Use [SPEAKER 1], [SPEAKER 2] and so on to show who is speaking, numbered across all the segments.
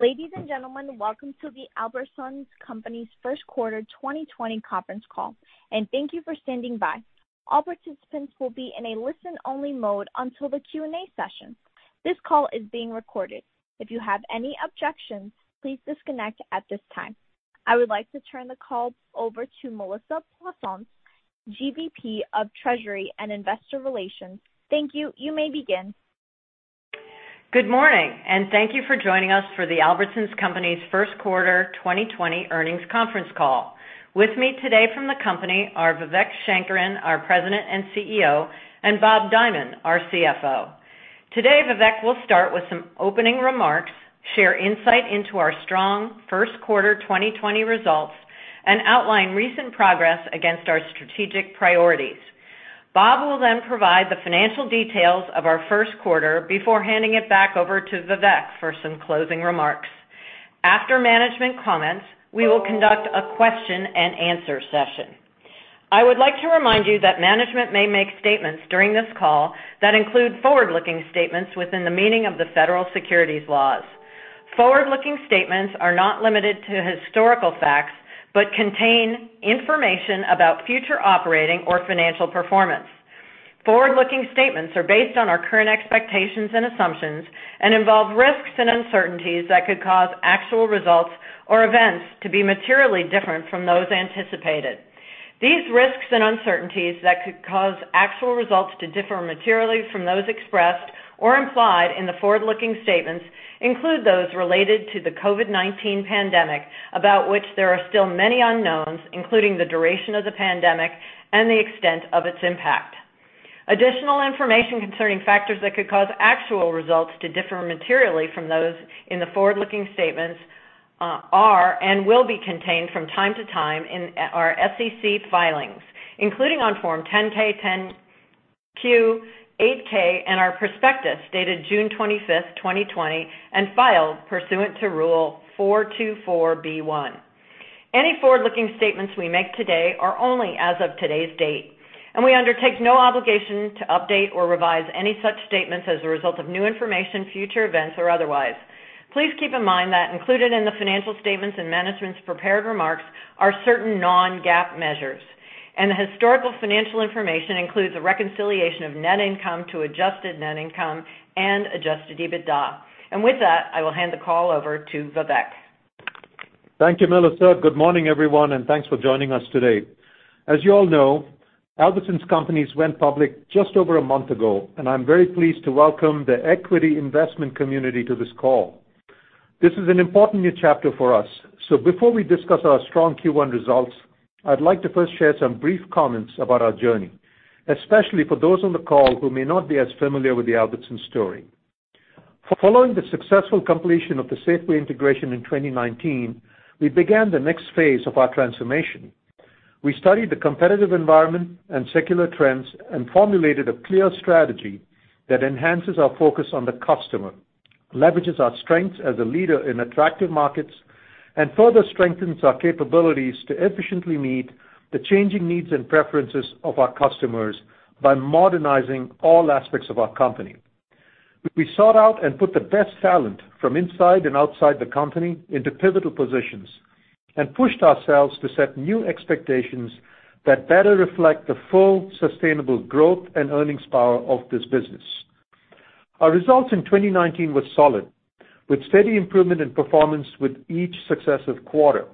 [SPEAKER 1] Ladies and gentlemen, welcome to the Albertsons Companies' Q1 2020 Conference Call, and thank you for standing by. All participants will be in a listen-only mode until the Q&A session. This call is being recorded. If you have any objections, please disconnect at this time. I would like to turn the call over to Melissa Plaisance, GVP of Treasury and Investor Relations. Thank you. You may begin.
[SPEAKER 2] Good morning, and thank you for joining us for the Albertsons Companies' Q1 2020 Earnings Conference Call. With me today from the company are Vivek Sankaran, our President and CEO, and Bob Dimond, our CFO. Today, Vivek will start with some opening remarks, share insight into our strong Q1 2020 results, and outline recent progress against our strategic priorities. Bob will then provide the financial details of our Q1 before handing it back over to Vivek for some closing remarks. After management comments, we will conduct a question-and-answer session. I would like to remind you that management may make statements during this call that include forward-looking statements within the meaning of the federal securities laws. Forward-looking statements are not limited to historical facts but contain information about future operating or financial performance. Forward-looking statements are based on our current expectations and assumptions and involve risks and uncertainties that could cause actual results or events to be materially different from those anticipated. These risks and uncertainties that could cause actual results to differ materially from those expressed or implied in the forward-looking statements include those related to the COVID-19 pandemic, about which there are still many unknowns, including the duration of the pandemic and the extent of its impact. Additional information concerning factors that could cause actual results to differ materially from those in the forward-looking statements are and will be contained from time to time in our SEC filings, including on Form 10-K, 10-Q, 8-K, and our prospectus dated 25 June 2020, and filed pursuant to Rule 424(b)(1). Any forward-looking statements we make today are only as of today's date, and we undertake no obligation to update or revise any such statements as a result of new information, future events, or otherwise. Please keep in mind that included in the financial statements and management's prepared remarks are certain non-GAAP measures, and the historical financial information includes a reconciliation of net income to adjusted net income and adjusted EBITDA. And with that, I will hand the call over to Vivek.
[SPEAKER 3] Thank you, Melissa. Good morning, everyone, and thanks for joining us today. As you all know, Albertsons Companies went public just over a month ago, and I'm very pleased to welcome the equity investment community to this call. This is an important new chapter for us. So before we discuss our strong Q1 results, I'd like to first share some brief comments about our journey, especially for those on the call who may not be as familiar with the Albertsons story. Following the successful completion of the Safeway integration in 2019, we began the next phase of our transformation. We studied the competitive environment and secular trends and formulated a clear strategy that enhances our focus on the customer, leverages our strengths as a leader in attractive markets, and further strengthens our capabilities to efficiently meet the changing needs and preferences of our customers by modernizing all aspects of our company. We sought out and put the best talent from inside and outside the company into pivotal positions and pushed ourselves to set new expectations that better reflect the full sustainable growth and earnings power of this business. Our results in 2019 were solid, with steady improvement in performance with each successive quarter.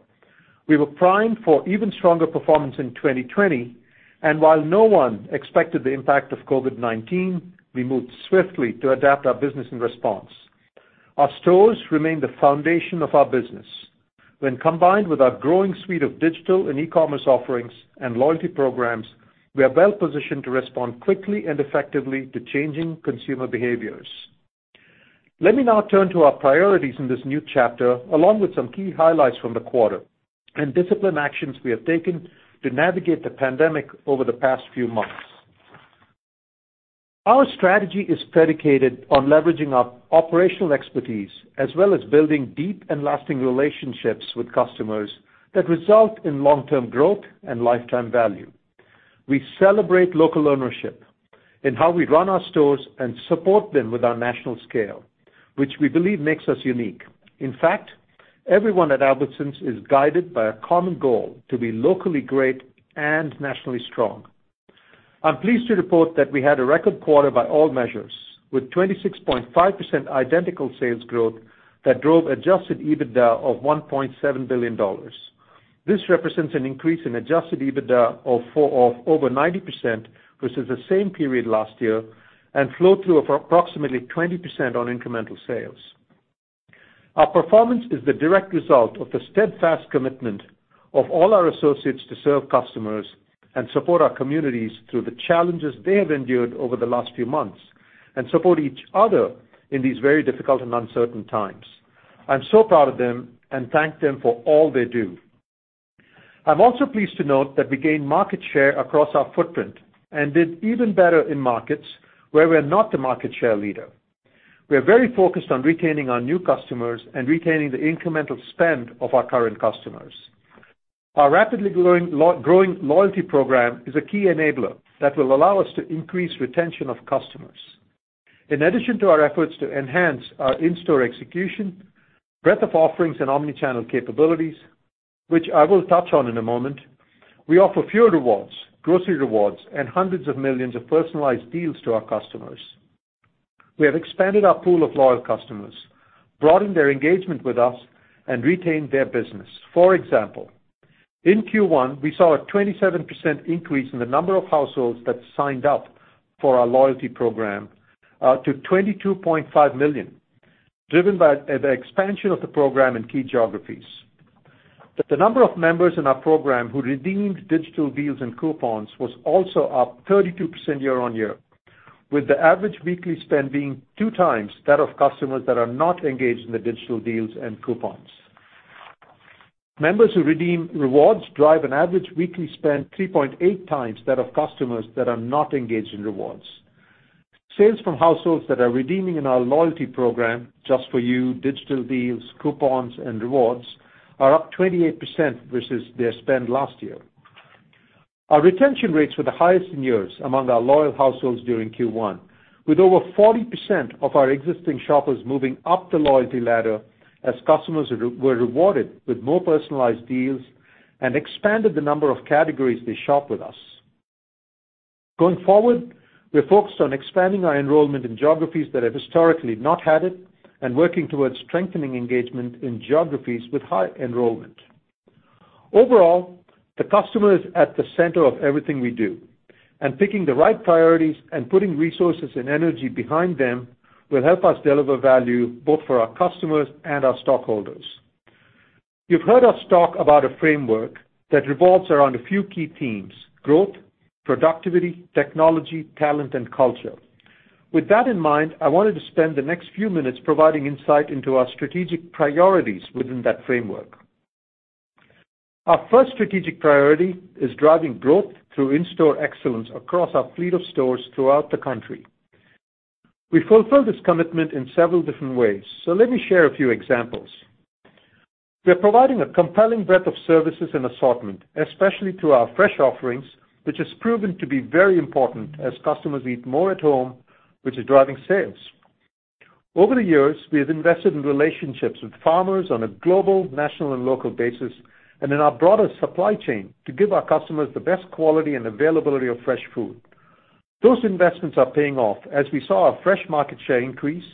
[SPEAKER 3] We were primed for even stronger performance in 2020, and while no one expected the impact of COVID-19, we moved swiftly to adapt our business and response. Our stores remain the foundation of our business. When combined with our growing suite of digital and e-commerce offerings and loyalty programs, we are well positioned to respond quickly and effectively to changing consumer behaviors. Let me now turn to our priorities in this new chapter, along with some key highlights from the quarter and disciplined actions we have taken to navigate the pandemic over the past few months. Our strategy is predicated on leveraging our operational expertise as well as building deep and lasting relationships with customers that result in long-term growth and lifetime value. We celebrate local ownership in how we run our stores and support them with our national scale, which we believe makes us unique. In fact, everyone at Albertsons is guided by a common goal to be locally great and nationally strong. I'm pleased to report that we had a record quarter by all measures, with 26.5% identical sales growth that drove adjusted EBITDA of $1.7 billion. This represents an increase in adjusted EBITDA of over 90% versus the same period last year and flow through of approximately 20% on incremental sales. Our performance is the direct result of the steadfast commitment of all our associates to serve customers and support our communities through the challenges they have endured over the last few months and support each other in these very difficult and uncertain times. I'm so proud of them and thank them for all they do. I'm also pleased to note that we gained market share across our footprint and did even better in markets where we're not the market share leader. We're very focused on retaining our new customers and retaining the incremental spend of our current customers. Our rapidly growing loyalty program is a key enabler that will allow us to increase retention of customers. In addition to our efforts to enhance our in-store execution, breadth of offerings, and omnichannel capabilities, which I will touch on in a moment, we offer fuel rewards, grocery rewards, and hundreds of millions of personalized deals to our customers. We have expanded our pool of loyal customers, broadened their engagement with us, and retained their business. For example, in Q1, we saw a 27% increase in the number of households that signed up for our loyalty program to 22.5 million, driven by the expansion of the program in key geographies. The number of members in our program who redeemed digital deals and coupons was also up 32% year on year, with the average weekly spend being two times that of customers that are not engaged in the digital deals and coupons. Members who redeem rewards drive an average weekly spend 3.8 times that of customers that are not engaged in rewards. Sales from households that are redeeming in our loyalty program, just for U, digital deals, coupons, and rewards, are up 28% versus their spend last year. Our retention rates were the highest in years among our loyal households during Q1, with over 40% of our existing shoppers moving up the loyalty ladder as customers were rewarded with more personalized deals and expanded the number of categories they shop with us. Going forward, we're focused on expanding our enrollment in geographies that have historically not had it and working towards strengthening engagement in geographies with high enrollment. Overall, the customer is at the center of everything we do, and picking the right priorities and putting resources and energy behind them will help us deliver value both for our customers and our stockholders. You've heard us talk about a framework that revolves around a few key themes: growth, productivity, technology, talent, and culture. With that in mind, I wanted to spend the next few minutes providing insight into our strategic priorities within that framework. Our first strategic priority is driving growth through in-store excellence across our fleet of stores throughout the country. We fulfill this commitment in several different ways, so let me share a few examples. We're providing a compelling breadth of services and assortment, especially through our fresh offerings, which has proven to be very important as customers eat more at home, which is driving sales. Over the years, we have invested in relationships with farmers on a global, national, and local basis and in our broader supply chain to give our customers the best quality and availability of fresh food. Those investments are paying off as we saw our fresh market share increase,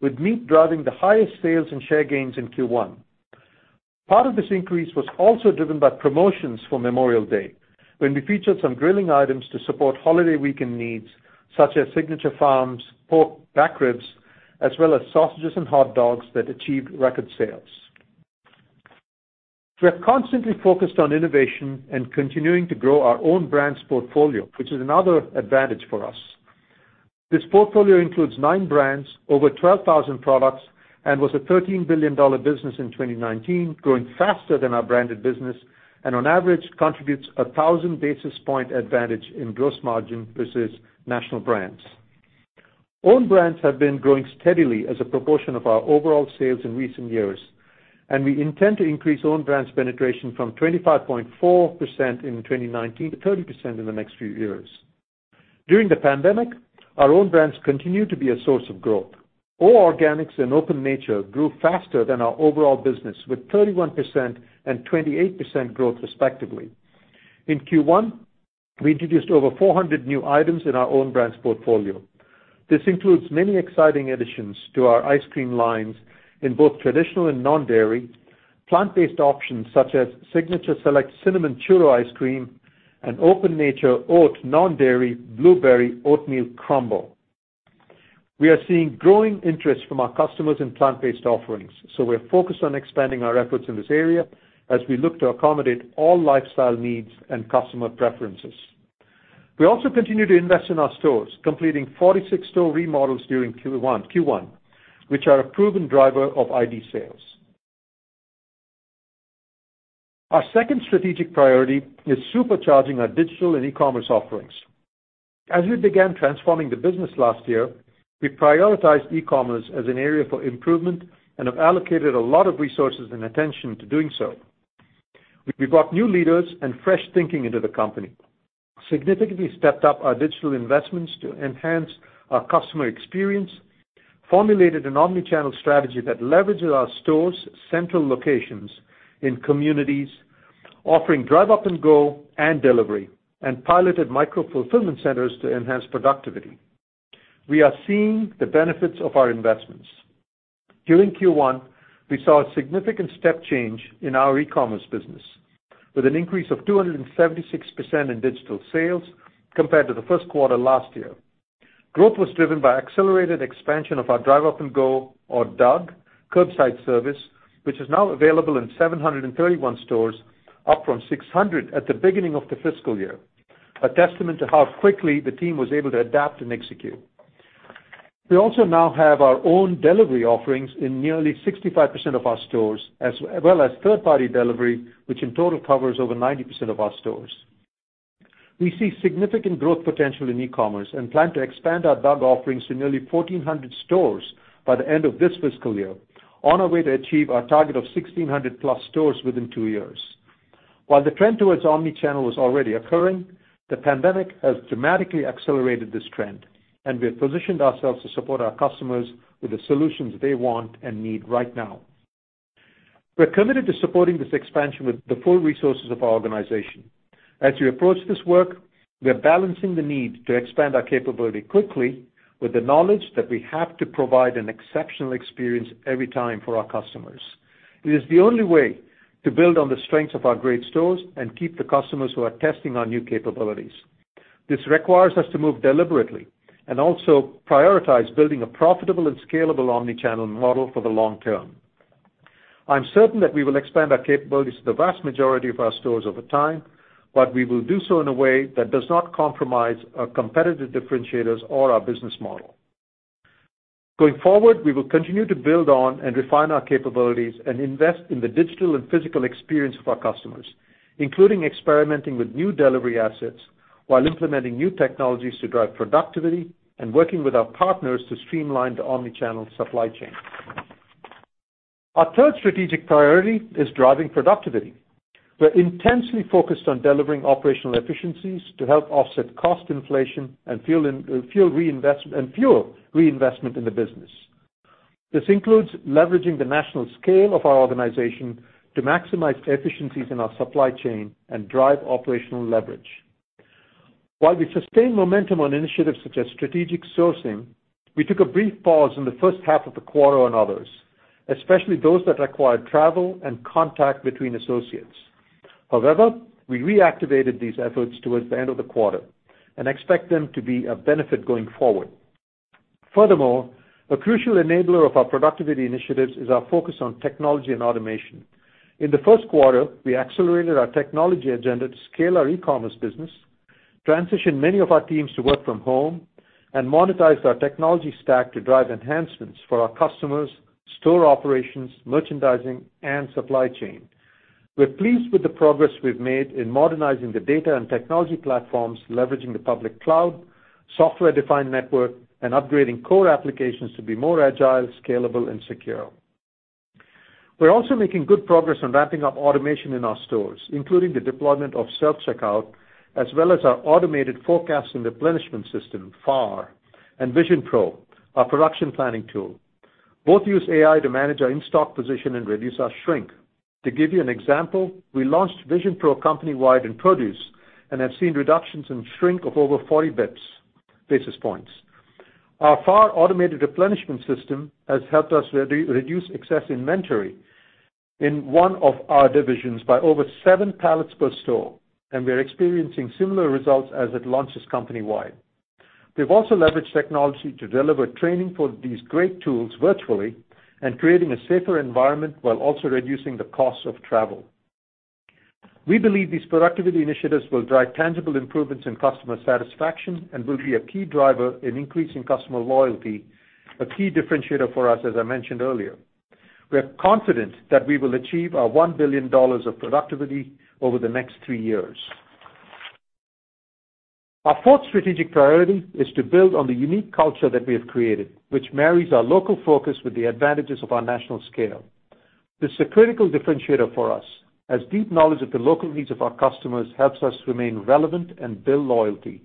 [SPEAKER 3] with meat driving the highest sales and share gains in Q1. Part of this increase was also driven by promotions for Memorial Day, when we featured some grilling items to support holiday weekend needs, such as Signature Farms pork back ribs, as well as sausages and hot dogs that achieved record sales. We have constantly focused on innovation and continuing to grow our Own Brands portfolio, which is another advantage for us. This portfolio includes nine brands, over 12,000 products, and was a $13 billion business in 2019, growing faster than our branded business and, on average, contributes a thousand basis point advantage in gross margin versus national brands. Own brands have been growing steadily as a proportion of our overall sales in recent years, and we intend to increase own brands penetration from 25.4% in 2019 to 30% in the next few years. During the pandemic, our own brands continued to be a source of growth. O Organics and Open Nature grew faster than our overall business, with 31% and 28% growth, respectively. In Q1, we introduced over 400 new items in our Own Brands portfolio. This includes many exciting additions to our ice cream lines in both traditional and non-dairy, plant-based options such as Signature Select Cinnamon Churro Ice Cream and Open Nature Oat Non-Dairy Blueberry Oatmeal Crumble. We are seeing growing interest from our customers in plant-based offerings, so we're focused on expanding our efforts in this area as we look to accommodate all lifestyle needs and customer preferences. We also continue to invest in our stores, completing 46 store remodels during Q1, which are a proven driver of ID sales. Our second strategic priority is supercharging our digital and e-commerce offerings. As we began transforming the business last year, we prioritized e-commerce as an area for improvement and have allocated a lot of resources and attention to doing so. We brought new leaders and fresh thinking into the company, significantly stepped up our digital investments to enhance our customer experience, formulated an omnichannel strategy that leverages our store's central locations in communities, offering Drive-Up & Go and delivery, and piloted micro fulfillment centers to enhance productivity. We are seeing the benefits of our investments. During Q1, we saw a significant step change in our e-commerce business, with an increase of 276% in digital sales compared to the Q1 last year. Growth was driven by accelerated expansion of our Drive-Up and Go, or DUG, curbside service, which is now available in 731 stores, up from 600 at the beginning of the fiscal year, a testament to how quickly the team was able to adapt and execute. We also now have our own delivery offerings in nearly 65% of our stores, as well as third-party delivery, which in total covers over 90% of our stores. We see significant growth potential in e-commerce and plan to expand our DUG offerings to nearly 1,400 stores by the end of this fiscal year, on our way to achieve our target of 1,600-plus stores within two years. While the trend towards omnichannel was already occurring, the pandemic has dramatically accelerated this trend, and we have positioned ourselves to support our customers with the solutions they want and need right now. We're committed to supporting this expansion with the full resources of our organization. As we approach this work, we're balancing the need to expand our capability quickly with the knowledge that we have to provide an exceptional experience every time for our customers. It is the only way to build on the strengths of our great stores and keep the customers who are testing our new capabilities. This requires us to move deliberately and also prioritize building a profitable and scalable omnichannel model for the long term. I'm certain that we will expand our capabilities to the vast majority of our stores over time, but we will do so in a way that does not compromise our competitive differentiators or our business model. Going forward, we will continue to build on and refine our capabilities and invest in the digital and physical experience of our customers, including experimenting with new delivery assets while implementing new technologies to drive productivity and working with our partners to streamline the omnichannel supply chain. Our third strategic priority is driving productivity. We're intensely focused on delivering operational efficiencies to help offset cost inflation and fuel reinvestment in the business. This includes leveraging the national scale of our organization to maximize efficiencies in our supply chain and drive operational leverage. While we sustain momentum on initiatives such as strategic sourcing, we took a brief pause in the first half of the quarter on others, especially those that required travel and contact between associates. However, we reactivated these efforts towards the end of the quarter and expect them to be a benefit going forward. Furthermore, a crucial enabler of our productivity initiatives is our focus on technology and automation. In the Q1, we accelerated our technology agenda to scale our e-commerce business, transitioned many of our teams to work from home, and monetized our technology stack to drive enhancements for our customers, store operations, merchandising, and supply chain. We're pleased with the progress we've made in modernizing the data and technology platforms, leveraging the public cloud, software-defined network, and upgrading core applications to be more agile, scalable, and secure. We're also making good progress on ramping up automation in our stores, including the deployment of self-checkout, as well as our automated forecast and replenishment system, FAR, and VisionPro, our production planning tool. Both use AI to manage our in-stock position and reduce our shrink. To give you an example, we launched VisionPro company-wide in produce and have seen reductions in shrink of over 40 basis points. Our FAR automated replenishment system has helped us reduce excess inventory in one of our divisions by over seven pallets per store, and we're experiencing similar results as it launches company-wide. We've also leveraged technology to deliver training for these great tools virtually and creating a safer environment while also reducing the cost of travel. We believe these productivity initiatives will drive tangible improvements in customer satisfaction and will be a key driver in increasing customer loyalty, a key differentiator for us, as I mentioned earlier. We're confident that we will achieve our $1 billion of productivity over the next three years. Our fourth strategic priority is to build on the unique culture that we have created, which marries our local focus with the advantages of our national scale. This is a critical differentiator for us, as deep knowledge of the local needs of our customers helps us remain relevant and build loyalty,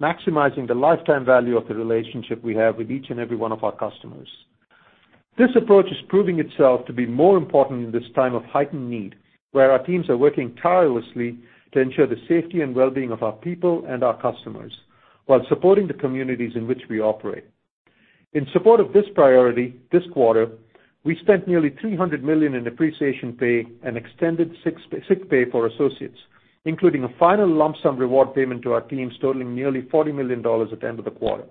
[SPEAKER 3] maximizing the lifetime value of the relationship we have with each and every one of our customers. This approach is proving itself to be more important in this time of heightened need, where our teams are working tirelessly to ensure the safety and well-being of our people and our customers while supporting the communities in which we operate. In support of this priority, this quarter, we spent nearly $300 million in appreciation pay and extended sick pay for associates, including a final lump sum reward payment to our teams totaling nearly $40 million at the end of the quarter.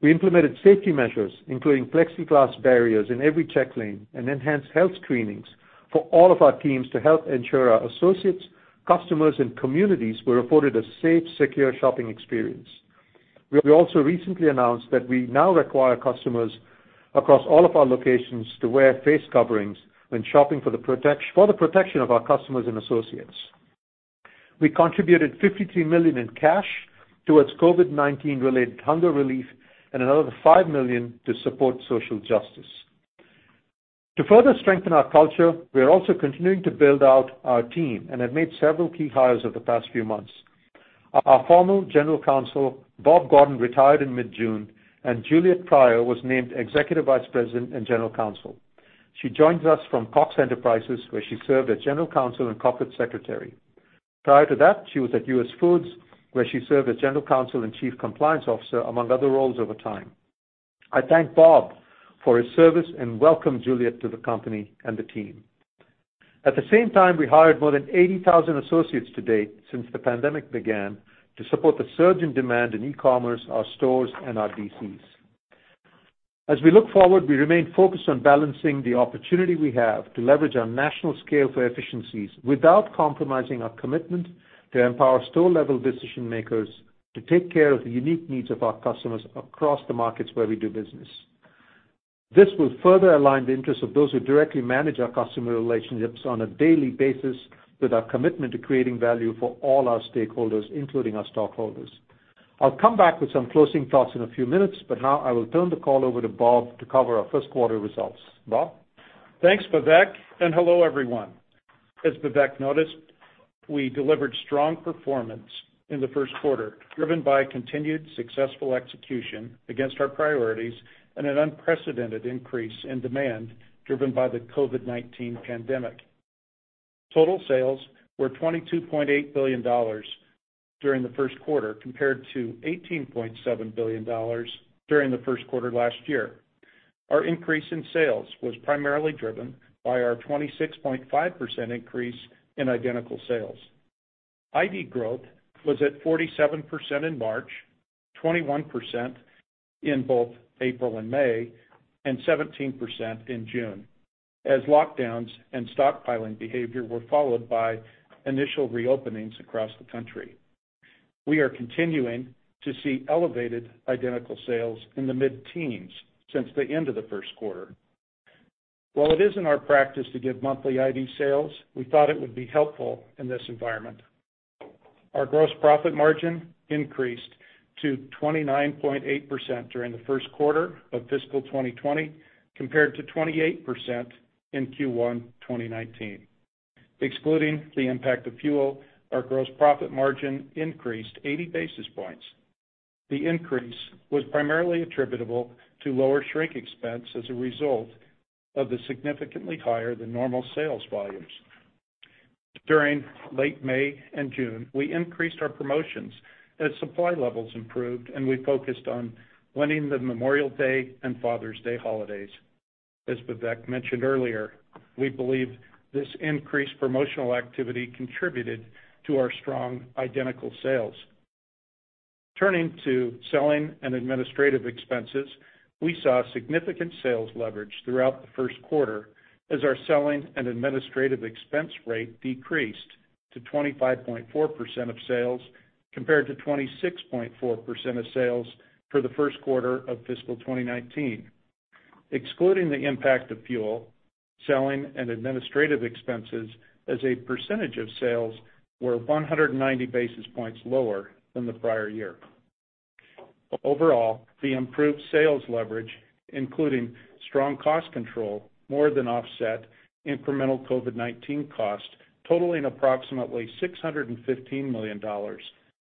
[SPEAKER 3] We implemented safety measures, including plexiglass barriers in every check lane and enhanced health screenings for all of our teams to help ensure our associates, customers, and communities were afforded a safe, secure shopping experience. We also recently announced that we now require customers across all of our locations to wear face coverings when shopping for the protection of our customers and associates. We contributed $53 million in cash towards COVID-19-related hunger relief and another $5 million to support social justice. To further strengthen our culture, we're also continuing to build out our team and have made several key hires over the past few months. Our former General Counsel, Bob Gordon, retired in mid-June, and Juliette Pryor was named Executive Vice President and General Counsel. She joins us from Cox Enterprises, where she served as General Counsel and Corporate Secretary. Prior to that, she was at US Foods, where she served as General Counsel and Chief Compliance Officer, among other roles over time. I thank Bob for his service and welcome Juliet to the company and the team. At the same time, we hired more than 80,000 associates to date since the pandemic began to support the surge in demand in e-commerce, our stores, and our DCs. As we look forward, we remain focused on balancing the opportunity we have to leverage our national scale for efficiencies without compromising our commitment to empower store-level decision-makers to take care of the unique needs of our customers across the markets where we do business. This will further align the interests of those who directly manage our customer relationships on a daily basis with our commitment to creating value for all our stakeholders, including our stockholders. I'll come back with some closing thoughts in a few minutes, but now I will turn the call over to Bob to cover our Q1 results. Bob?
[SPEAKER 4] Thanks, Vivek, and hello, everyone. As Vivek noticed, we delivered strong performance in the Q1, driven by continued successful execution against our priorities and an unprecedented increase in demand driven by the COVID-19 pandemic. Total sales were $22.8 billion during the Q1, compared to $18.7 billion during the Q1 last year. Our increase in sales was primarily driven by our 26.5% increase in identical sales. ID growth was at 47% in March, 21% in both April and May, and 17% in June, as lockdowns and stockpiling behavior were followed by initial reopenings across the country. We are continuing to see elevated identical sales in the mid-teens since the end of the Q1. While it isn't our practice to give monthly ID sales, we thought it would be helpful in this environment. Our gross profit margin increased to 29.8% during the Q1 of fiscal 2020, compared to 28% in Q1 2019. Excluding the impact of fuel, our gross profit margin increased 80 basis points. The increase was primarily attributable to lower shrink expense as a result of the significantly higher than normal sales volumes. During late May and June, we increased our promotions as supply levels improved, and we focused on winning the Memorial Day and Father's Day holidays. As Vivek mentioned earlier, we believe this increased promotional activity contributed to our strong identical sales. Turning to selling and administrative expenses, we saw significant sales leverage throughout the Q1 as our selling and administrative expense rate decreased to 25.4% of sales compared to 26.4% of sales for the Q1 of fiscal 2019. Excluding the impact of fuel, selling and administrative expenses as a percentage of sales were 190 basis points lower than the prior year. Overall, the improved sales leverage, including strong cost control, more than offset incremental COVID-19 costs, totaling approximately $615 million,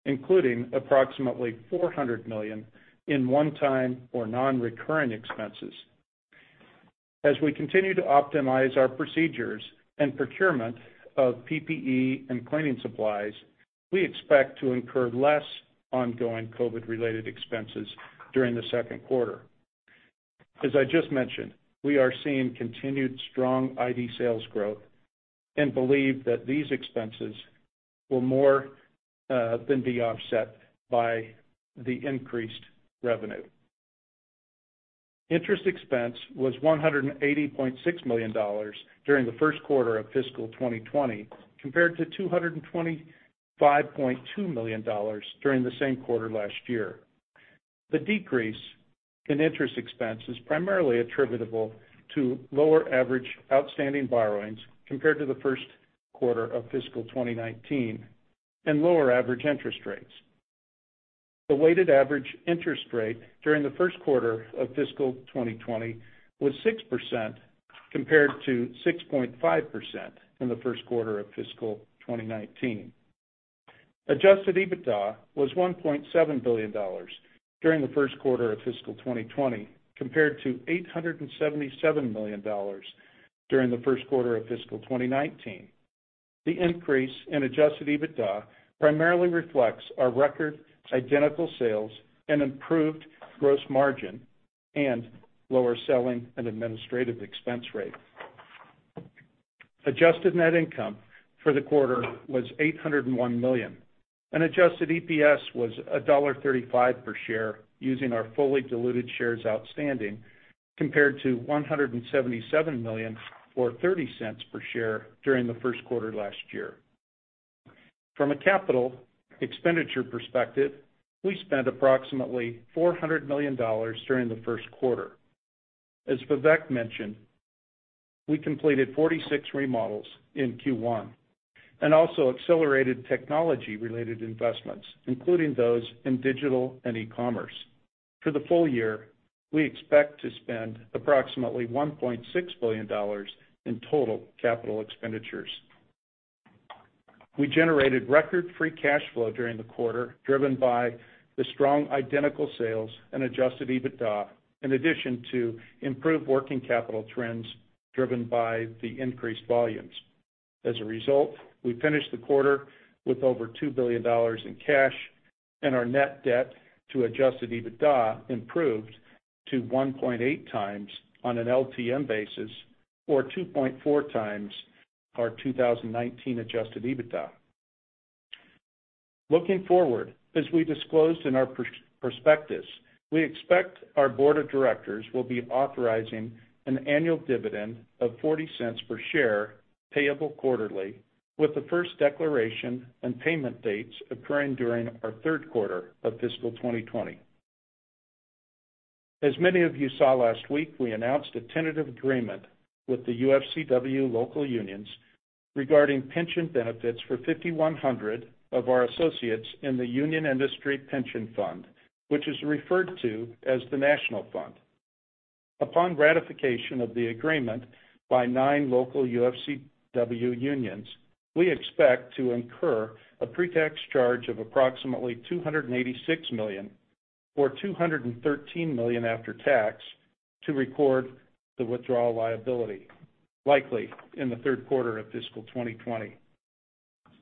[SPEAKER 4] including approximately $400 million in one-time or non-recurring expenses. As we continue to optimize our procedures and procurement of PPE and cleaning supplies, we expect to incur less ongoing COVID-related expenses during the Q2. As I just mentioned, we are seeing continued strong ID sales growth and believe that these expenses will more than be offset by the increased revenue. Interest expense was $180.6 million during the Q1 of fiscal 2020, compared to $225.2 million during the same quarter last year. The decrease in interest expense is primarily attributable to lower average outstanding borrowings compared to the Q1 of fiscal 2019 and lower average interest rates. The weighted average interest rate during the Q1 of fiscal 2020 was 6% compared to 6.5% in the Q1 of fiscal 2019. Adjusted EBITDA was $1.7 billion during the Q1 of fiscal 2020, compared to $877 million during the Q1 of fiscal 2019. The increase in adjusted EBITDA primarily reflects our record identical sales and improved gross margin and lower selling and administrative expense rate. Adjusted net income for the quarter was $801 million. An adjusted EPS was $1.35 per share using our fully diluted shares outstanding, compared to $177.30 per share during the Q1 last year. From a capital expenditure perspective, we spent approximately $400 million during the Q1. As Vivek mentioned, we completed 46 remodels in Q1 and also accelerated technology-related investments, including those in digital and e-commerce. For the full year, we expect to spend approximately $1.6 billion in total capital expenditures. We generated record free cash flow during the quarter, driven by the strong identical sales and adjusted EBITDA, in addition to improved working capital trends driven by the increased volumes. As a result, we finished the quarter with over $2 billion in cash, and our net debt to adjusted EBITDA improved to 1.8 times on an LTM basis, or 2.4 times our 2019 adjusted EBITDA. Looking forward, as we disclosed in our prospectus, we expect our board of directors will be authorizing an annual dividend of $0.40 per share payable quarterly, with the first declaration and payment dates occurring during our Q3 of fiscal 2020. As many of you saw last week, we announced a tentative agreement with the UFCW local unions regarding pension benefits for 5,100 of our associates in the Union Industry Pension Fund, which is referred to as the National Fund. Upon ratification of the agreement by nine local UFCW unions, we expect to incur a pre-tax charge of approximately $286 million, or $213 million after tax, to record the withdrawal liability, likely in the Q3 of fiscal 2020.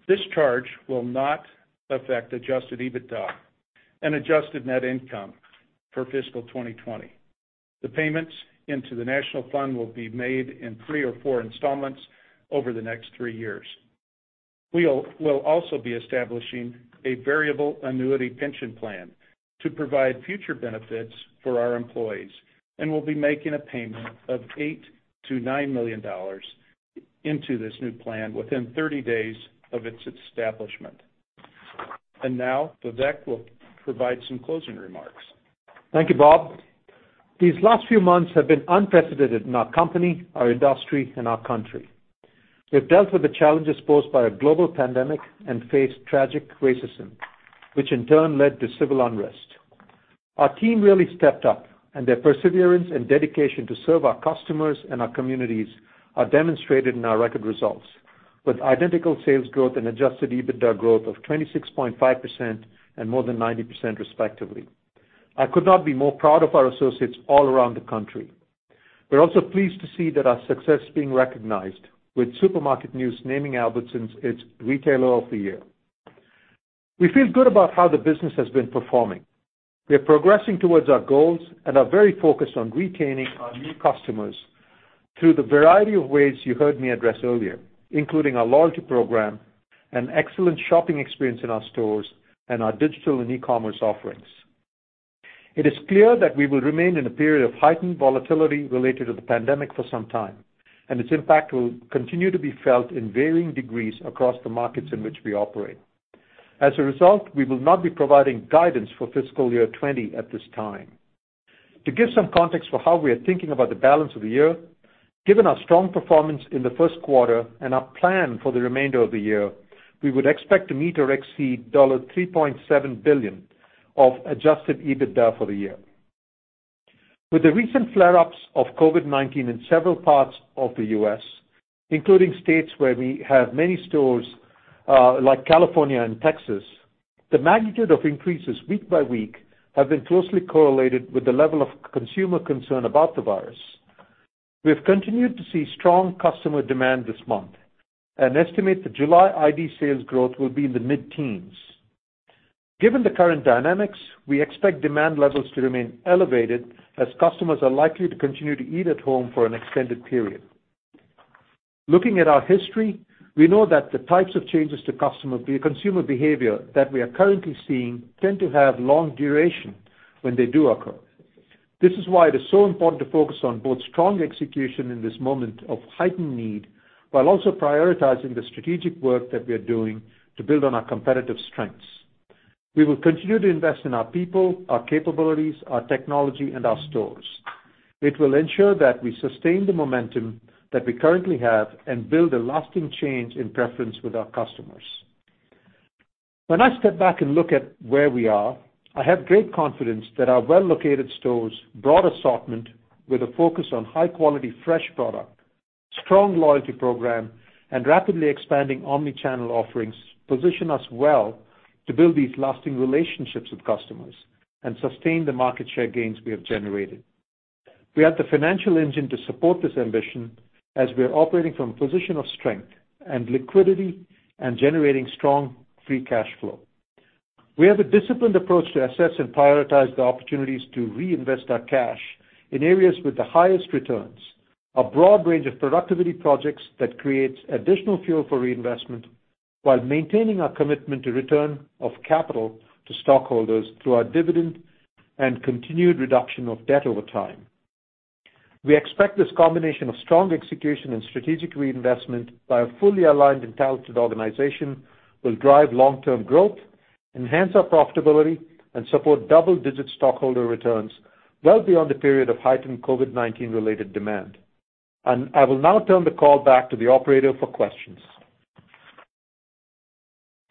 [SPEAKER 4] This charge will not affect adjusted EBITDA and adjusted net income for fiscal 2020. The payments into the National Fund will be made in three or four installments over the next three years. We will also be establishing a variable annuity pension plan to provide future benefits for our employees and will be making a payment of $8 to 9 million into this new plan within 30 days of its establishment. And now, Vivek will provide some closing remarks.
[SPEAKER 3] Thank you, Bob. These last few months have been unprecedented in our company, our industry, and our country. We have dealt with the challenges posed by a global pandemic and faced tragic racism, which in turn led to civil unrest. Our team really stepped up, and their perseverance and dedication to serve our customers and our communities are demonstrated in our record results, with identical sales growth and adjusted EBITDA growth of 26.5% and more than 90%, respectively. I could not be more proud of our associates all around the country. We're also pleased to see that our success is being recognized, with Supermarket News naming Albertsons its Retailer of the Year. We feel good about how the business has been performing. We are progressing towards our goals and are very focused on retaining our new customers through the variety of ways you heard me address earlier, including our loyalty program, an excellent shopping experience in our stores, and our digital and e-commerce offerings. It is clear that we will remain in a period of heightened volatility related to the pandemic for some time, and its impact will continue to be felt in varying degrees across the markets in which we operate. As a result, we will not be providing guidance for fiscal year 2020 at this time. To give some context for how we are thinking about the balance of the year, given our strong performance in the Q1 and our plan for the remainder of the year, we would expect to meet or exceed $3.7 billion of adjusted EBITDA for the year. With the recent flare-ups of COVID-19 in several parts of the US, including states where we have many stores like California and Texas, the magnitude of increases week by week have been closely correlated with the level of consumer concern about the virus. We have continued to see strong customer demand this month. I estimate that July ID sales growth will be in the mid-teens. Given the current dynamics, we expect demand levels to remain elevated as customers are likely to continue to eat at home for an extended period. Looking at our history, we know that the types of changes to consumer behavior that we are currently seeing tend to have long duration when they do occur. This is why it is so important to focus on both strong execution in this moment of heightened need while also prioritizing the strategic work that we are doing to build on our competitive strengths. We will continue to invest in our people, our capabilities, our technology, and our stores. It will ensure that we sustain the momentum that we currently have and build a lasting change in preference with our customers. When I step back and look at where we are, I have great confidence that our well-located stores, broad assortment with a focus on high-quality fresh product, strong loyalty program, and rapidly expanding omnichannel offerings position us well to build these lasting relationships with customers and sustain the market share gains we have generated. We have the financial engine to support this ambition as we are operating from a position of strength and liquidity and generating strong free cash flow. We have a disciplined approach to assess and prioritize the opportunities to reinvest our cash in areas with the highest returns, a broad range of productivity projects that create additional fuel for reinvestment, while maintaining our commitment to return of capital to stockholders through our dividend and continued reduction of debt over time. We expect this combination of strong execution and strategic reinvestment by a fully aligned and talented organization will drive long-term growth, enhance our profitability, and support double-digit stockholder returns well beyond the period of heightened COVID-19-related demand. I will now turn the call back to the operator for questions.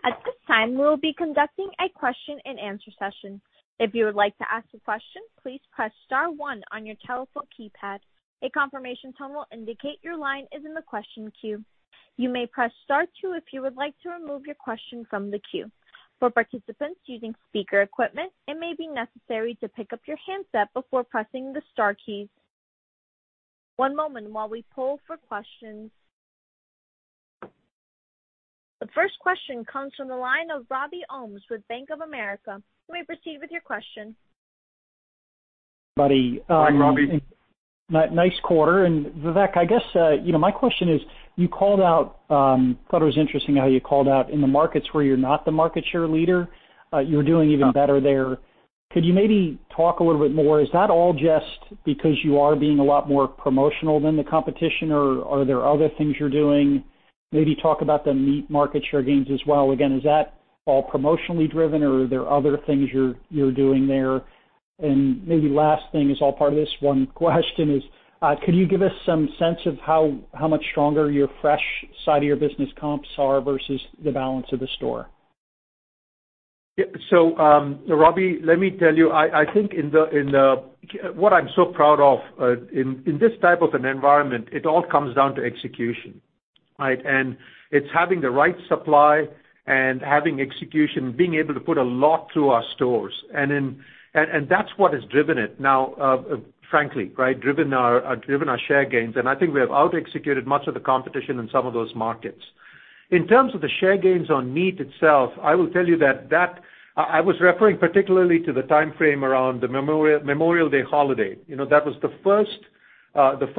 [SPEAKER 1] At this time, we will be conducting a question-and-answer session. If you would like to ask a question, please press star one on your telephone keypad. A confirmation tone will indicate your line is in the question queue. You may press star two if you would like to remove your question from the queue. For participants using speaker equipment, it may be necessary to pick up your handset before pressing the star keys. One moment while we poll for questions. The first question comes from the line of Robbie Ohmes with Bank of America. You may proceed with your question.
[SPEAKER 5] Hi, Robbie. Nice quarter. And Vivek, I guess my question is, you called out, I thought it was interesting how you called out in the markets where you're not the market share leader, you're doing even better there. Could you maybe talk a little bit more? Is that all just because you are being a lot more promotional than the competition, or are there other things you're doing? Maybe talk about the meat market share gains as well. Again, is that all promotionally driven, or are there other things you're doing there? And maybe the last thing is all part of this one question is, could you give us some sense of how much stronger your fresh side of your business comps are versus the balance of the store?
[SPEAKER 3] So Robbie, let me tell you. I think in the—what I'm so proud of in this type of an environment, it all comes down to execution, right, and it's having the right supply and having execution, being able to put a lot through our stores. And that's what has driven it, now, frankly, driven our share gains. And I think we have out-executed much of the competition in some of those markets. In terms of the share gains on meat itself, I will tell you that I was referring particularly to the timeframe around the Memorial Day holiday. That was the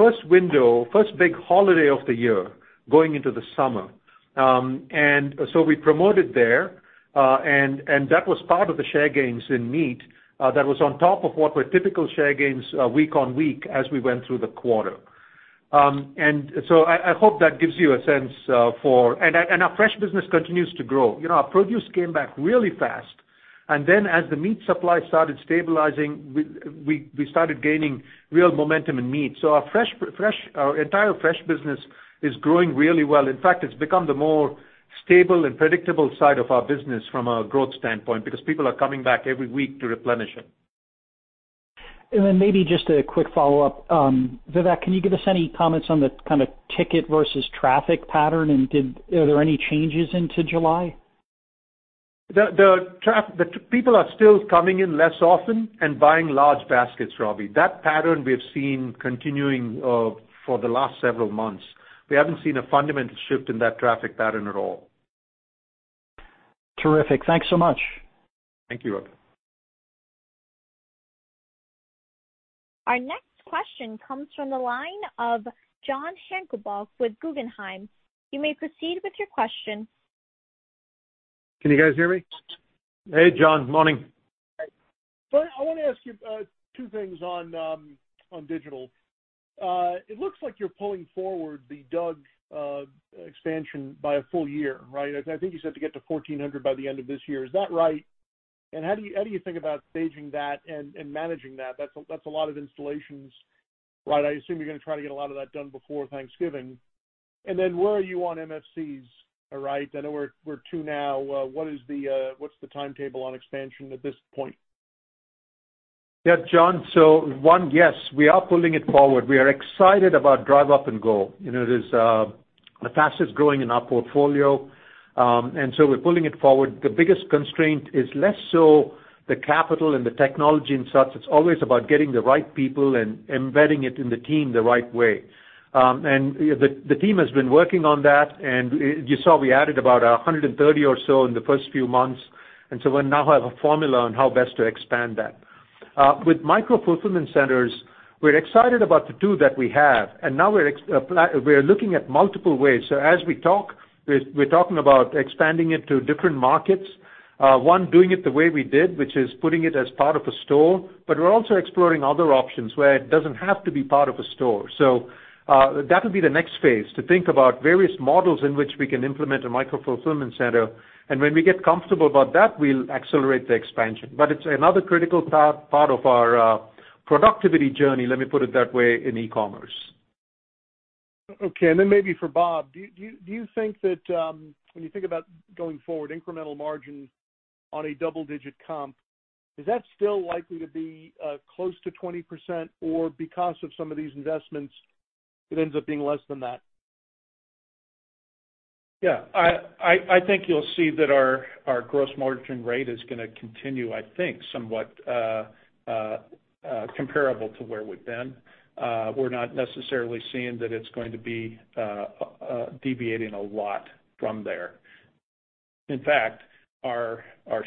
[SPEAKER 3] first window, first big holiday of the year going into the summer. And so we promoted there, and that was part of the share gains in meat that was on top of what were typical share gains week on week as we went through the quarter. And so I hope that gives you a sense for, and our fresh business continues to grow. Our produce came back really fast. And then as the meat supply started stabilizing, we started gaining real momentum in meat. So our entire fresh business is growing really well. In fact, it's become the more stable and predictable side of our business from a growth standpoint because people are coming back every week to replenish it,
[SPEAKER 5] and then maybe just a quick follow-up. Vivek, can you give us any comments on the kind of ticket versus traffic pattern, and are there any changes into July?
[SPEAKER 3] The people are still coming in less often and buying large baskets, Robbie. That pattern we have seen continuing for the last several months. We haven't seen a fundamental shift in that traffic pattern at all. Terrific.
[SPEAKER 5] Thanks so much.
[SPEAKER 3] Thank you, Robbie.
[SPEAKER 1] Our next question comes from the line of John Heinbockel with Guggenheim. You may proceed with your question.
[SPEAKER 6] Can you guys hear me?
[SPEAKER 3] Hey, John. Morning.
[SPEAKER 6] I want to ask you two things on digital. It looks like you're pulling forward the DUG expansion by a full year, right? I think you said to get to 1,400 by the end of this year. Is that right? And how do you think about staging that and managing that? That's a lot of installations, right? I assume you're going to try to get a lot of that done before Thanksgiving. And then where are you on MFCs, right? I know we're two now. What's the timetable on expansion at this point?
[SPEAKER 3] Yeah, John, so one yes. We are pulling it forward. We are excited about Drive Up and Go. It is the fastest growing in our portfolio, and so we're pulling it forward. The biggest constraint is less so the capital and the technology and such. It's always about getting the right people and embedding it in the team the right way. And the team has been working on that, and you saw we added about 130 or so in the first few months. And so we now have a formula on how best to expand that. With micro fulfillment centers, we're excited about the two that we have, and now we're looking at multiple ways. So as we talk, we're talking about expanding it to different markets. One, doing it the way we did, which is putting it as part of a store, but we're also exploring other options where it doesn't have to be part of a store. So that will be the next phase to think about various models in which we can implement a micro fulfillment center. And when we get comfortable about that, we'll accelerate the expansion. But it's another critical part of our productivity journey, let me put it that way, in e-commerce.
[SPEAKER 6] Okay. And then maybe for Bob, do you think that when you think about going forward, incremental margin on a double-digit comp, is that still likely to be close to 20%, or because of some of these investments, it ends up being less than that?
[SPEAKER 3] Yeah. I think you'll see that our gross margin rate is going to continue, I think, somewhat comparable to where we've been. We're not necessarily seeing that it's going to be deviating a lot from there. In fact, our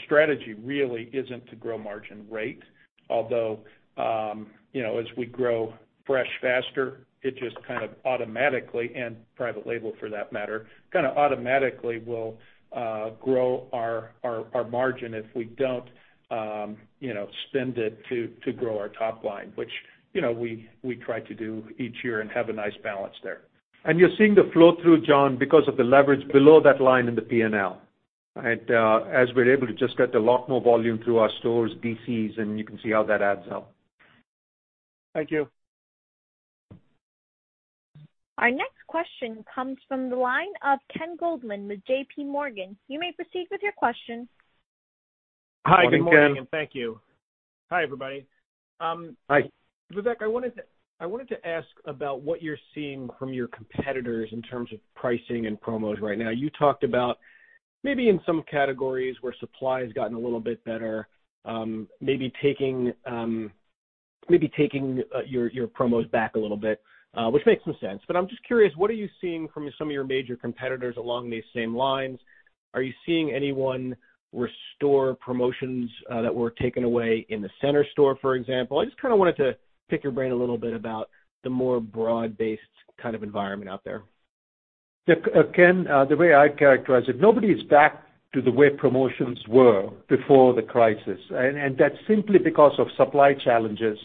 [SPEAKER 3] strategy really isn't to grow margin rate, although as we grow fresh faster, it just kind of automatically, and private label for that matter, kind of automatically will grow our margin if we don't spend it to grow our top line, which we try to do each year and have a nice balance there. And you're seeing the flow through, John, because of the leverage below that line in the P&L, right, as we're able to just get a lot more volume through our stores, DCs, and you can see how that adds up.
[SPEAKER 6] Thank you.
[SPEAKER 1] Our next question comes from the line of Ken Goldman with J.P. Morgan. You may proceed with your question.
[SPEAKER 3] Hi, Ken Morgan.
[SPEAKER 7] Thank you. Hi, everybody. Hi. Vivek, I wanted to ask about what you're seeing from your competitors in terms of pricing and promos right now. You talked about maybe in some categories where supply has gotten a little bit better, maybe taking your promos back a little bit, which makes some sense. But I'm just curious, what are you seeing from some of your major competitors along these same lines? Are you seeing anyone restore promotions that were taken away in the center store, for example, I just kind of wanted to pick your brain a little bit about the more broad-based kind of environment out there.
[SPEAKER 3] Ken, the way I'd characterize it, nobody is back to the way promotions were before the crisis, and that's simply because of supply challenges,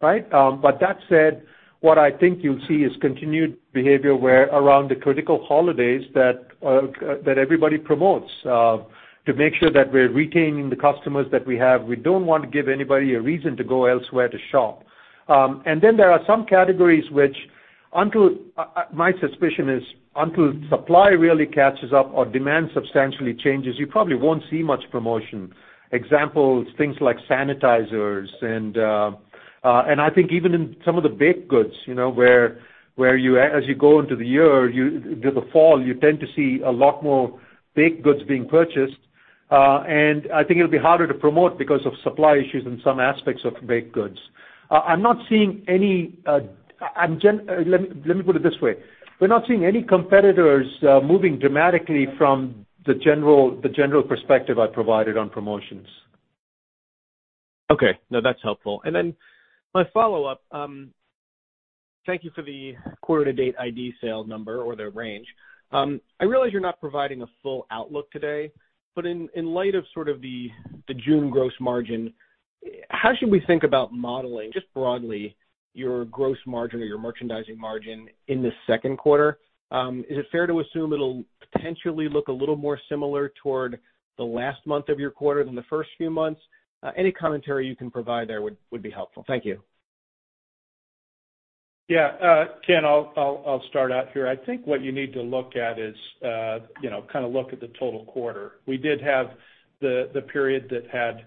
[SPEAKER 3] right, but that said, what I think you'll see is continued behavior around the critical holidays that everybody promotes to make sure that we're retaining the customers that we have. We don't want to give anybody a reason to go elsewhere to shop. And then there are some categories which, my suspicion is, until supply really catches up or demand substantially changes, you probably won't see much promotion. Examples, things like sanitizers. And I think even in some of the baked goods where, as you go into the year, the fall, you tend to see a lot more baked goods being purchased. And I think it'll be harder to promote because of supply issues in some aspects of baked goods. I'm not seeing any. Let me put it this way. We're not seeing any competitors moving dramatically from the general perspective I provided on promotions.
[SPEAKER 7] Okay. No, that's helpful. And then my follow-up, thank you for the quarter-to-date ID sale number or the range. I realize you're not providing a full outlook today, but in light of sort of the June gross margin, how should we think about modeling just broadly your gross margin or your merchandising margin in the Q2? Is it fair to assume it'll potentially look a little more similar toward the last month of your quarter than the first few months? Any commentary you can provide there would be helpful. Thank you.
[SPEAKER 3] Yeah. Ken, I'll start out here. I think what you need to look at is kind of, look at the total quarter. We did have the period that had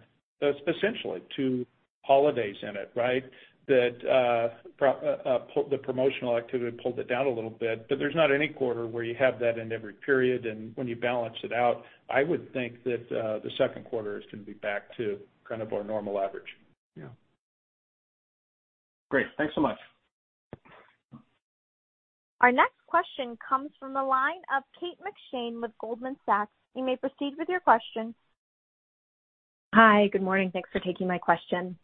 [SPEAKER 3] essentially two holidays in it, right, that, the promotional activity pulled it down a little bit, but there's not any quarter where you have that in every period, and when you balance it out, I would think that the Q2 is going to be back to kind of our normal average. Yeah.
[SPEAKER 7] Great. Thanks so much.
[SPEAKER 1] Our next question comes from the line of Kate McShane with Goldman Sachs. You may proceed with your question.
[SPEAKER 8] Hi. Good morning. Thanks for taking my question.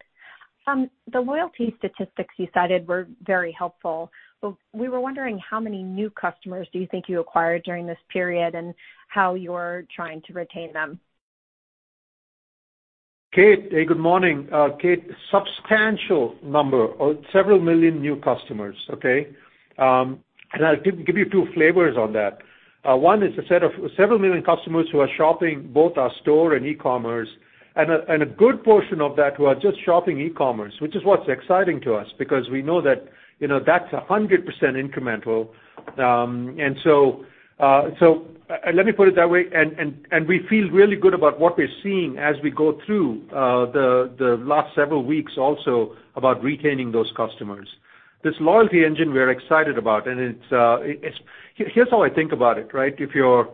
[SPEAKER 8] The loyalty statistics you cited were very helpful. We were wondering how many new customers do you think you acquired during this period and how you're trying to retain them.
[SPEAKER 4] Kate, good morning. Kate, substantial number, several million new customers, okay? And I'll give you two flavors on that. One is a set of several million customers who are shopping both our store and e-commerce, and a good portion of that who are just shopping e-commerce, which is what's exciting to us because we know that that's 100% incremental. And so let me put it that way. And we feel really good about what we're seeing as we go through the last several weeks also about retaining those customers. This loyalty engine we're excited about, and it's. Here's how I think about it, right, if you're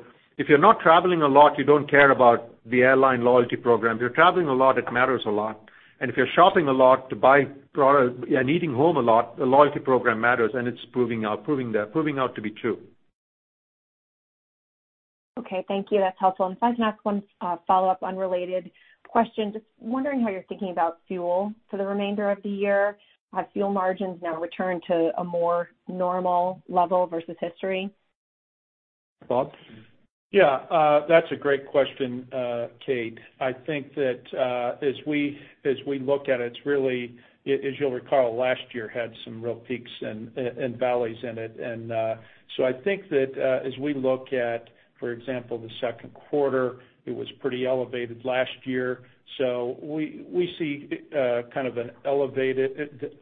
[SPEAKER 4] not traveling a lot, you don't care about the airline loyalty program. If you're traveling a lot, it matters a lot. And if you're shopping a lot to buy product and eating home a lot, the loyalty program matters, and it's proving out to be true.
[SPEAKER 8] Okay. Thank you. That's helpful. And if I can ask one follow-up unrelated question, just wondering how you're thinking about fuel for the remainder of the year. Have fuel margins now returned to a more normal level versus history?
[SPEAKER 4] Yeah. That's a great question, Kate. I think that as we look at it, it's really, as you'll recall, last year had some real peaks and valleys in it. And so I think that as we look at, for example, the Q2, it was pretty elevated last year. So we see kind of an elevated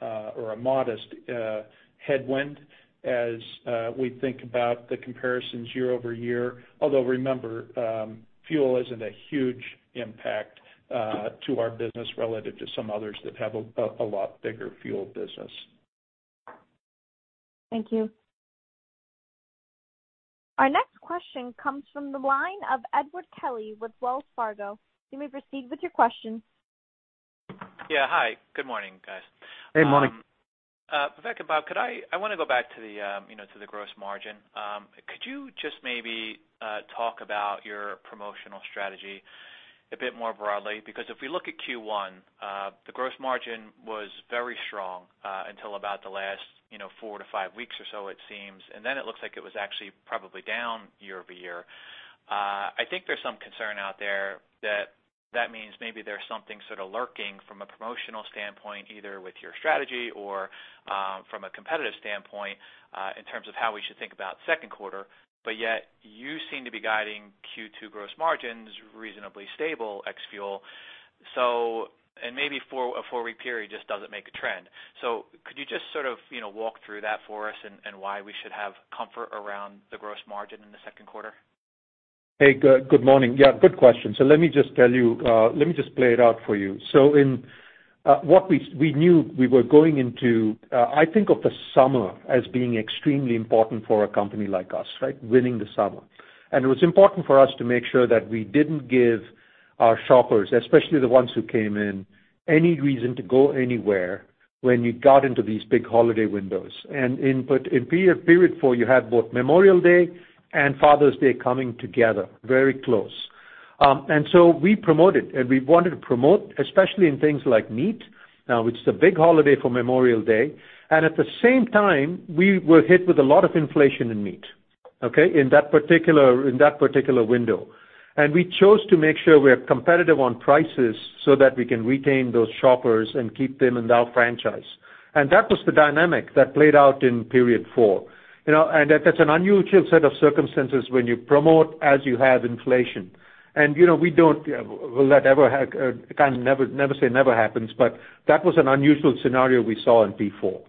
[SPEAKER 4] or a modest headwind as we think about the comparisons year-over-year. Although remember, fuel isn't a huge impact to our business relative to some others that have a lot bigger fuel business.
[SPEAKER 8] Thank you.
[SPEAKER 1] Our next question comes from the line of Edward Kelly with Wells Fargo. You may proceed with your question. Yeah.
[SPEAKER 9] Hi. Good morning, guys. Hey, morning. Vivek and Bob, I want to go back to the gross margin. Could you just maybe talk about your promotional strategy a bit more broadly? Because if we look at Q1, the gross margin was very strong until about the last four to five weeks or so, it seems. And then it looks like it was actually probably down year-over-year. I think there's some concern out there that that means maybe there's something sort of lurking from a promotional standpoint, either with your strategy or from a competitive standpoint in terms of how we should think about Q2. But yet you seem to be guiding Q2 gross margins reasonably stable, ex-fuel. And maybe a four-week period just doesn't make a trend. So could you just sort of walk through that for us and why we should have comfort around the gross margin in the Q2?
[SPEAKER 3] Hey, good morning. Yeah. Good question. So let me just tell you. Let me just play it out for you. So what we knew we were going into, I think of the summer as being extremely important for a company like us, right? Winning the summer. And it was important for us to make sure that we didn't give our shoppers, especially the ones who came in, any reason to go anywhere when you got into these big holiday windows. And in period four, you had both Memorial Day and Father's Day coming together very close. And so we promoted, and we wanted to promote, especially in things like meat, which is a big holiday for Memorial Day. And at the same time, we were hit with a lot of inflation in meat, okay, in that particular window. And we chose to make sure we're competitive on prices so that we can retain those shoppers and keep them in our franchise. And that was the dynamic that played out in period four. And that's an unusual set of circumstances when you promote as you have inflation. And we don't. Will that ever? I never say never happens, but that was an unusual scenario we saw in P4,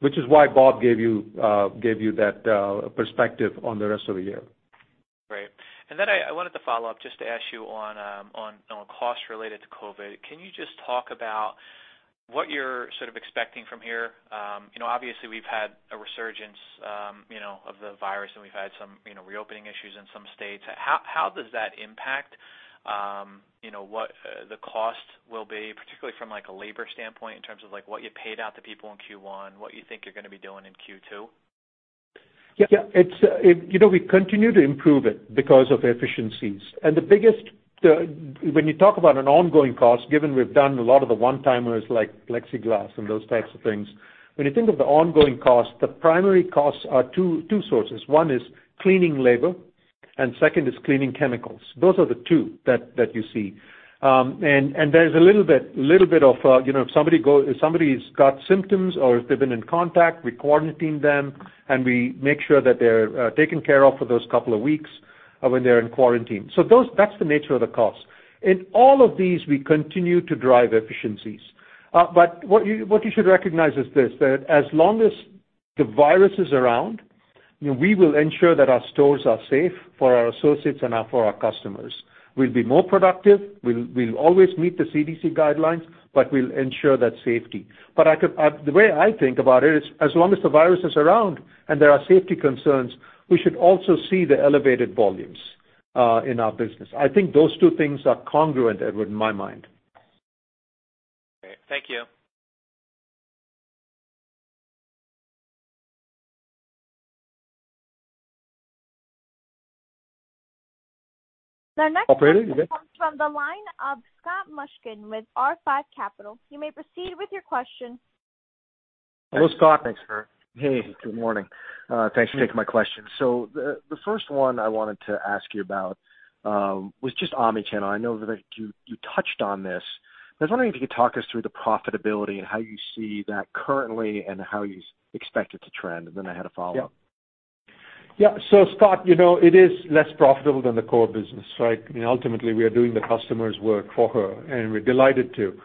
[SPEAKER 3] which is why Bob gave you that perspective on the rest of the year. Right.
[SPEAKER 9] And then I wanted to follow up just to ask you on costs related to COVID. Can you just talk about what you're sort of expecting from here? Obviously, we've had a resurgence of the virus, and we've had some reopening issues in some states. How does that impact what the cost will be, particularly from a labor standpoint in terms of what you paid out to people in Q1, what you think you're going to be doing in Q2?
[SPEAKER 4] Yeah. We continue to improve it because of efficiencies, and when you talk about an ongoing cost, given we've done a lot of the one-timers like Plexiglas and those types of things, when you think of the ongoing cost, the primary costs are two sources. One is cleaning labor, and second is cleaning chemicals. Those are the two that you see, and there's a little bit of if somebody's got symptoms or if they've been in contact, we quarantine them, and we make sure that they're taken care of for those couple of weeks when they're in quarantine, so that's the nature of the cost. In all of these, we continue to drive efficiencies. But what you should recognize is this: that as long as the virus is around, we will ensure that our stores are safe for our associates and for our customers. We'll be more productive. We'll always meet the CDC guidelines, but we'll ensure that safety. But the way I think about it is, as long as the virus is around and there are safety concerns, we should also see the elevated volumes in our business. I think those two things are congruent, Edward, in my mind.
[SPEAKER 9] Okay. Thank you.
[SPEAKER 1] The next question comes from the line of Scott Mushkin with R5 Capital. You may proceed with your question.
[SPEAKER 3] Hello, Scott.
[SPEAKER 10] Thanks for, hey, good morning. Thanks for taking my question. So the first one I wanted to ask you about was just omnichannel. I know that you touched on this. I was wondering if you could talk us through the profitability and how you see that currently and how you expect it to trend, and then I had a follow-up. Yeah.
[SPEAKER 3] Yeah, so, Scott, it is less profitable than the core business, right? I mean, ultimately, we are doing the customer's work for her, and we're delighted to,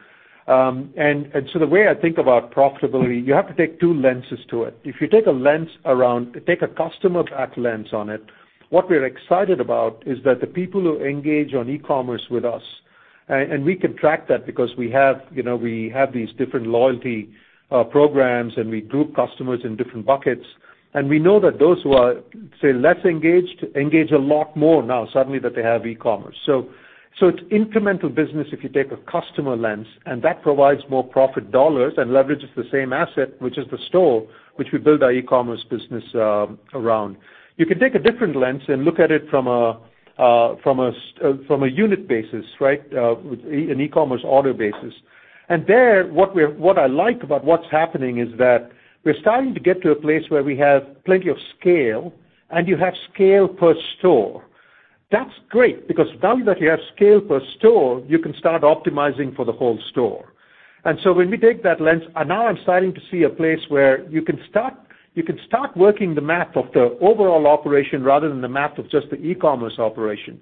[SPEAKER 3] and so the way I think about profitability, you have to take two lenses to it. If you take a lens around, take a customer-backed lens on it, what we're excited about is that the people who engage on e-commerce with us, and we can track that because we have these different loyalty programs, and we group customers in different buckets, and we know that those who are, say, less engaged, engage a lot more now suddenly that they have e-commerce. So it's incremental business if you take a customer lens, and that provides more profit dollars and leverages the same asset, which is the store, which we build our e-commerce business around. You can take a different lens and look at it from a unit basis, right? An e-commerce order basis. And there, what I like about what's happening is that we're starting to get to a place where we have plenty of scale, and you have scale per store. That's great because now that you have scale per store, you can start optimizing for the whole store. And so when we take that lens, now I'm starting to see a place where you can start working the math of the overall operation rather than the math of just the e-commerce operation,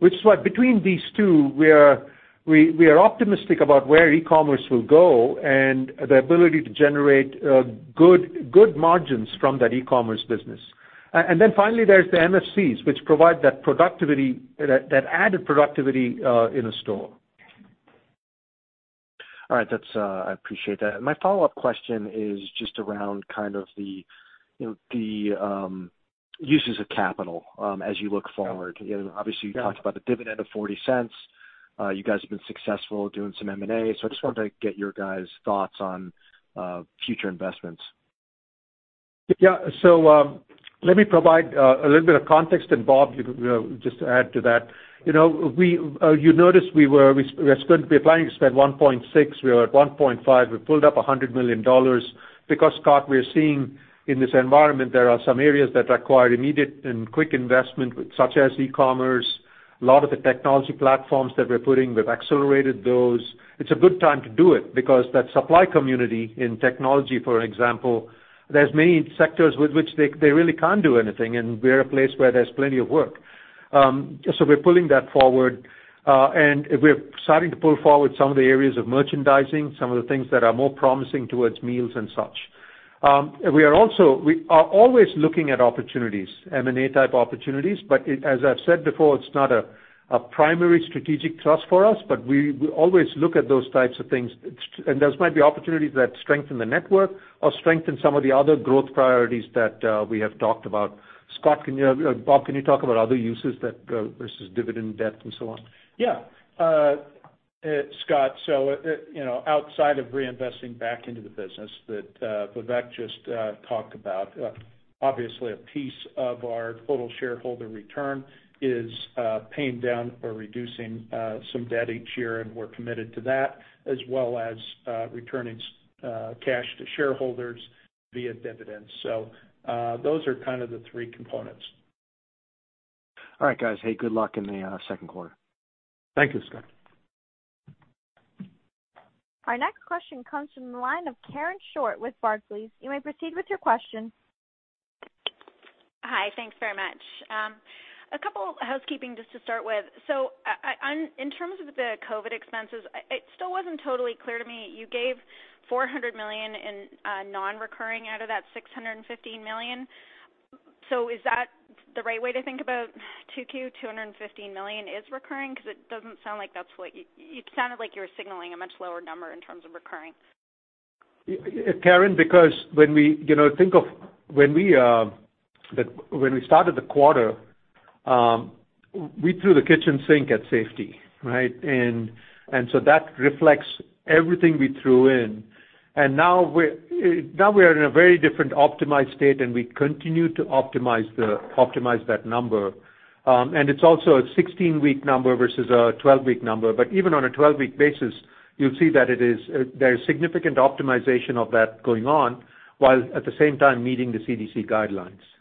[SPEAKER 3] which is why between these two, we are optimistic about where e-commerce will go and the ability to generate good margins from that e-commerce business. And then finally, there's the MFCs, which provide that added productivity in a store.
[SPEAKER 10] All right. I appreciate that. My follow-up question is just around kind of the uses of capital as you look forward. Obviously, you talked about a dividend of $0.40. You guys have been successful doing some M&A. So I just wanted to get your guys' thoughts on future investments.
[SPEAKER 3] Yeah. So let me provide a little bit of context, and Bob, just to add to that. You noticed we were going to be planning to spend $1.6 billion. We were at $1.5 billion. We pulled up $100 million. Because, Scott, we're seeing in this environment, there are some areas that require immediate and quick investment, such as e-commerce. A lot of the technology platforms that we're putting with accelerated those. It's a good time to do it because that supply community in technology, for example, there's many sectors with which they really can't do anything, and we're a place where there's plenty of work, so we're pulling that forward, and we're starting to pull forward some of the areas of merchandising, some of the things that are more promising towards meals and such. We are always looking at opportunities, M&A-type opportunities, but as I've said before, it's not a primary strategic thrust for us, but we always look at those types of things. Those might be opportunities that strengthen the network or strengthen some of the other growth priorities that we have talked about. Scott, Bob, can you talk about other uses versus dividend debt and so on?
[SPEAKER 4] Yeah. Scott, so outside of reinvesting back into the business that Vivek just talked about, obviously, a piece of our total shareholder return is paying down or reducing some debt each year. And we're committed to that as well as returning cash to shareholders via dividends. So those are kind of the three components.
[SPEAKER 1] All right, guys. Hey, good luck in the Q2.
[SPEAKER 4] Thank you, Scott.
[SPEAKER 1] Our next question comes from the line of Karen Short with Barclays. You may proceed with your question.
[SPEAKER 11] Hi. Thanks very much. A couple of housekeeping just to start with. So in terms of the COVID expenses, it still wasn't totally clear to me. You gave $400 million in non-recurring out of that $615 million. So is that the right way to think about 2Q? $215 million is recurring because it doesn't sound like that's what you sounded like you were signaling a much lower number in terms of recurring.
[SPEAKER 3] Karen, because when we think of when we started the quarter, we threw the kitchen sink at safety, right? And so that reflects everything we threw in. And now we are in a very different optimized state, and we continue to optimize that number. And it's also a 16-week number versus a 12-week number. But even on a 12-week basis, you'll see that there is significant optimization of that going on while at the same time meeting the CDC guidelines.
[SPEAKER 11] Okay.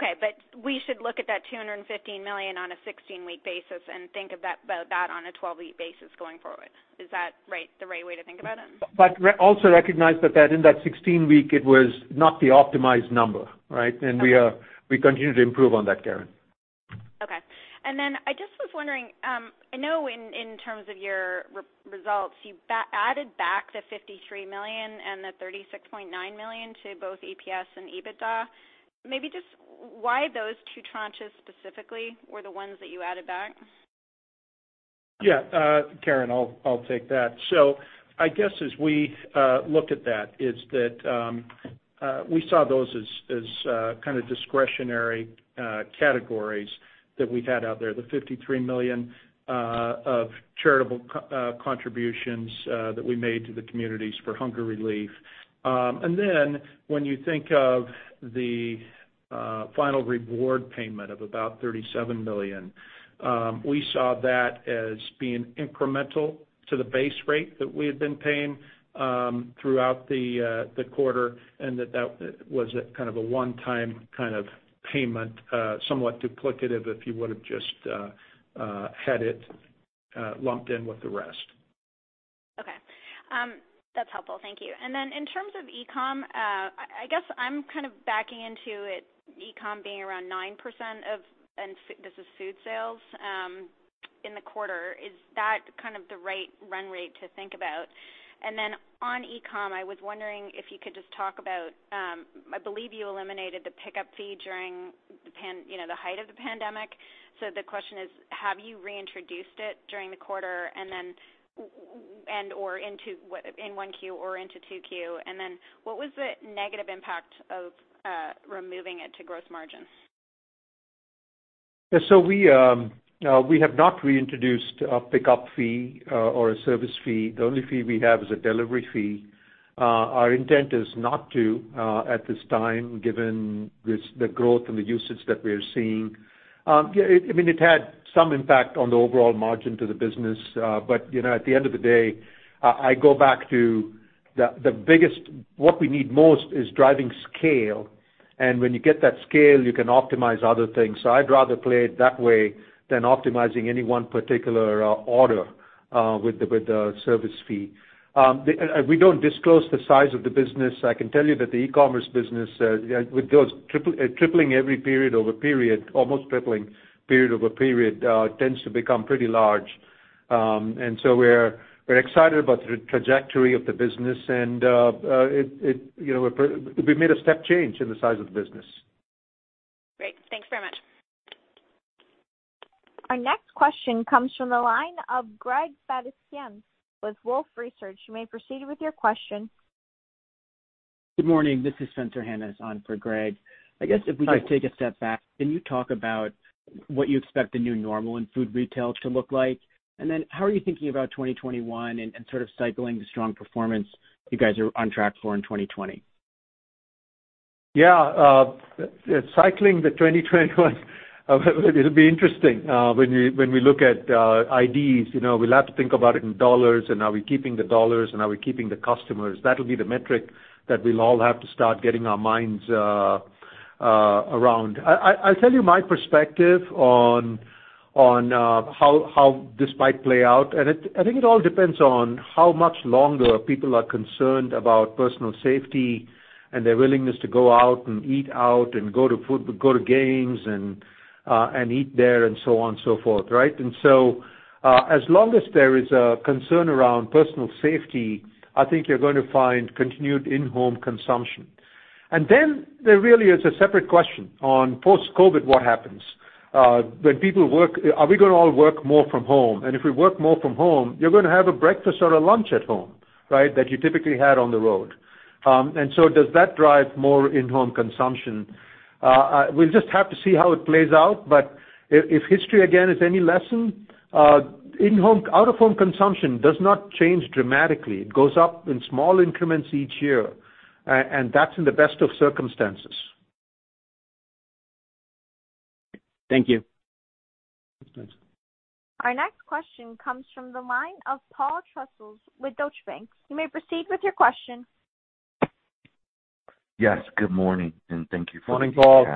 [SPEAKER 11] But we should look at that $215 million on a 16-week basis and think about that on a 12-week basis going forward. Is that the right way to think about it?
[SPEAKER 3] But also recognize that in that 16-week, it was not the optimized number, right? And we continue to improve on that, Karen.
[SPEAKER 11] Okay. And then I just was wondering, I know in terms of your results, you added back the $53 million and the $36.9 million to both EPS and EBITDA. Maybe just why those two tranches specifically were the ones that you added back?
[SPEAKER 4] Yeah. Karen, I'll take that. So I guess as we look at that, is that we saw those as kind of discretionary categories that we've had out there, the $53 million of charitable contributions that we made to the communities for hunger relief. And then when you think of the final reward payment of about $37 million, we saw that as being incremental to the base rate that we had been paying throughout the quarter and that that was kind of a one-time kind of payment, somewhat duplicative if you would have just had it lumped in with the rest.
[SPEAKER 11] Okay. That's helpful. Thank you. And then in terms of e-com, I guess I'm kind of backing into e-com being around 9% of, and this is food sales, in the quarter. Is that kind of the right run rate to think about? And then on e-com, I was wondering if you could just talk about, I believe you eliminated the pickup fee during the height of the pandemic. So the question is, have you reintroduced it during the quarter and/or in 1Q or into 2Q? And then what was the negative impact of removing it to gross margin?
[SPEAKER 3] Yeah. So we have not reintroduced a pickup fee or a service fee. The only fee we have is a delivery fee. Our intent is not to, at this time, given the growth and the usage that we are seeing. I mean, it had some impact on the overall margin to the business. But at the end of the day, I go back to the biggest what we need most is driving scale. And when you get that scale, you can optimize other things. So I'd rather play it that way than optimizing any one particular order with the service fee. We don't disclose the size of the business. I can tell you that the e-commerce business, with those tripling every period-over-period, almost tripling period-over-period, tends to become pretty large. And so we're excited about the trajectory of the business. And we made a step change in the size of the business.
[SPEAKER 11] Great. Thanks very much.
[SPEAKER 1] Our next question comes from the line of Greg Badishkanian with Wolfe Research. You may proceed with your question.
[SPEAKER 12] Good morning. This is Spencer Hanus on for Greg. I guess if we could take a step back, can you talk about what you expect the new normal in food retail to look like? And then how are you thinking about 2021 and sort of cycling the strong performance you guys are on track for in 2020?
[SPEAKER 4] Yeah. Cycling the 2021, it'll be interesting when we look at IDs. We'll have to think about it in dollars and how we're keeping the dollars and how we're keeping the customers. That'll be the metric that we'll all have to start getting our minds around. I'll tell you my perspective on how this might play out. And I think it all depends on how much longer people are concerned about personal safety and their willingness to go out and eat out and go to games and eat there and so on and so forth, right? And so as long as there is a concern around personal safety, I think you're going to find continued in-home consumption. And then there really is a separate question on post-COVID, what happens? When people work, are we going to all work more from home? And if we work more from home, you're going to have a breakfast or a lunch at home, right, that you typically had on the road. And so does that drive more in-home consumption? We'll just have to see how it plays out. But if history again is any lesson, out-of-home consumption does not change dramatically. It goes up in small increments each year. And that's in the best of circumstances.
[SPEAKER 12] Thank you.
[SPEAKER 1] Our next question comes from the line of Paul Trussell with Deutsche Bank. You may proceed with your question.
[SPEAKER 13] Yes. Good morning. And thank you for being in-house.
[SPEAKER 3] Morning,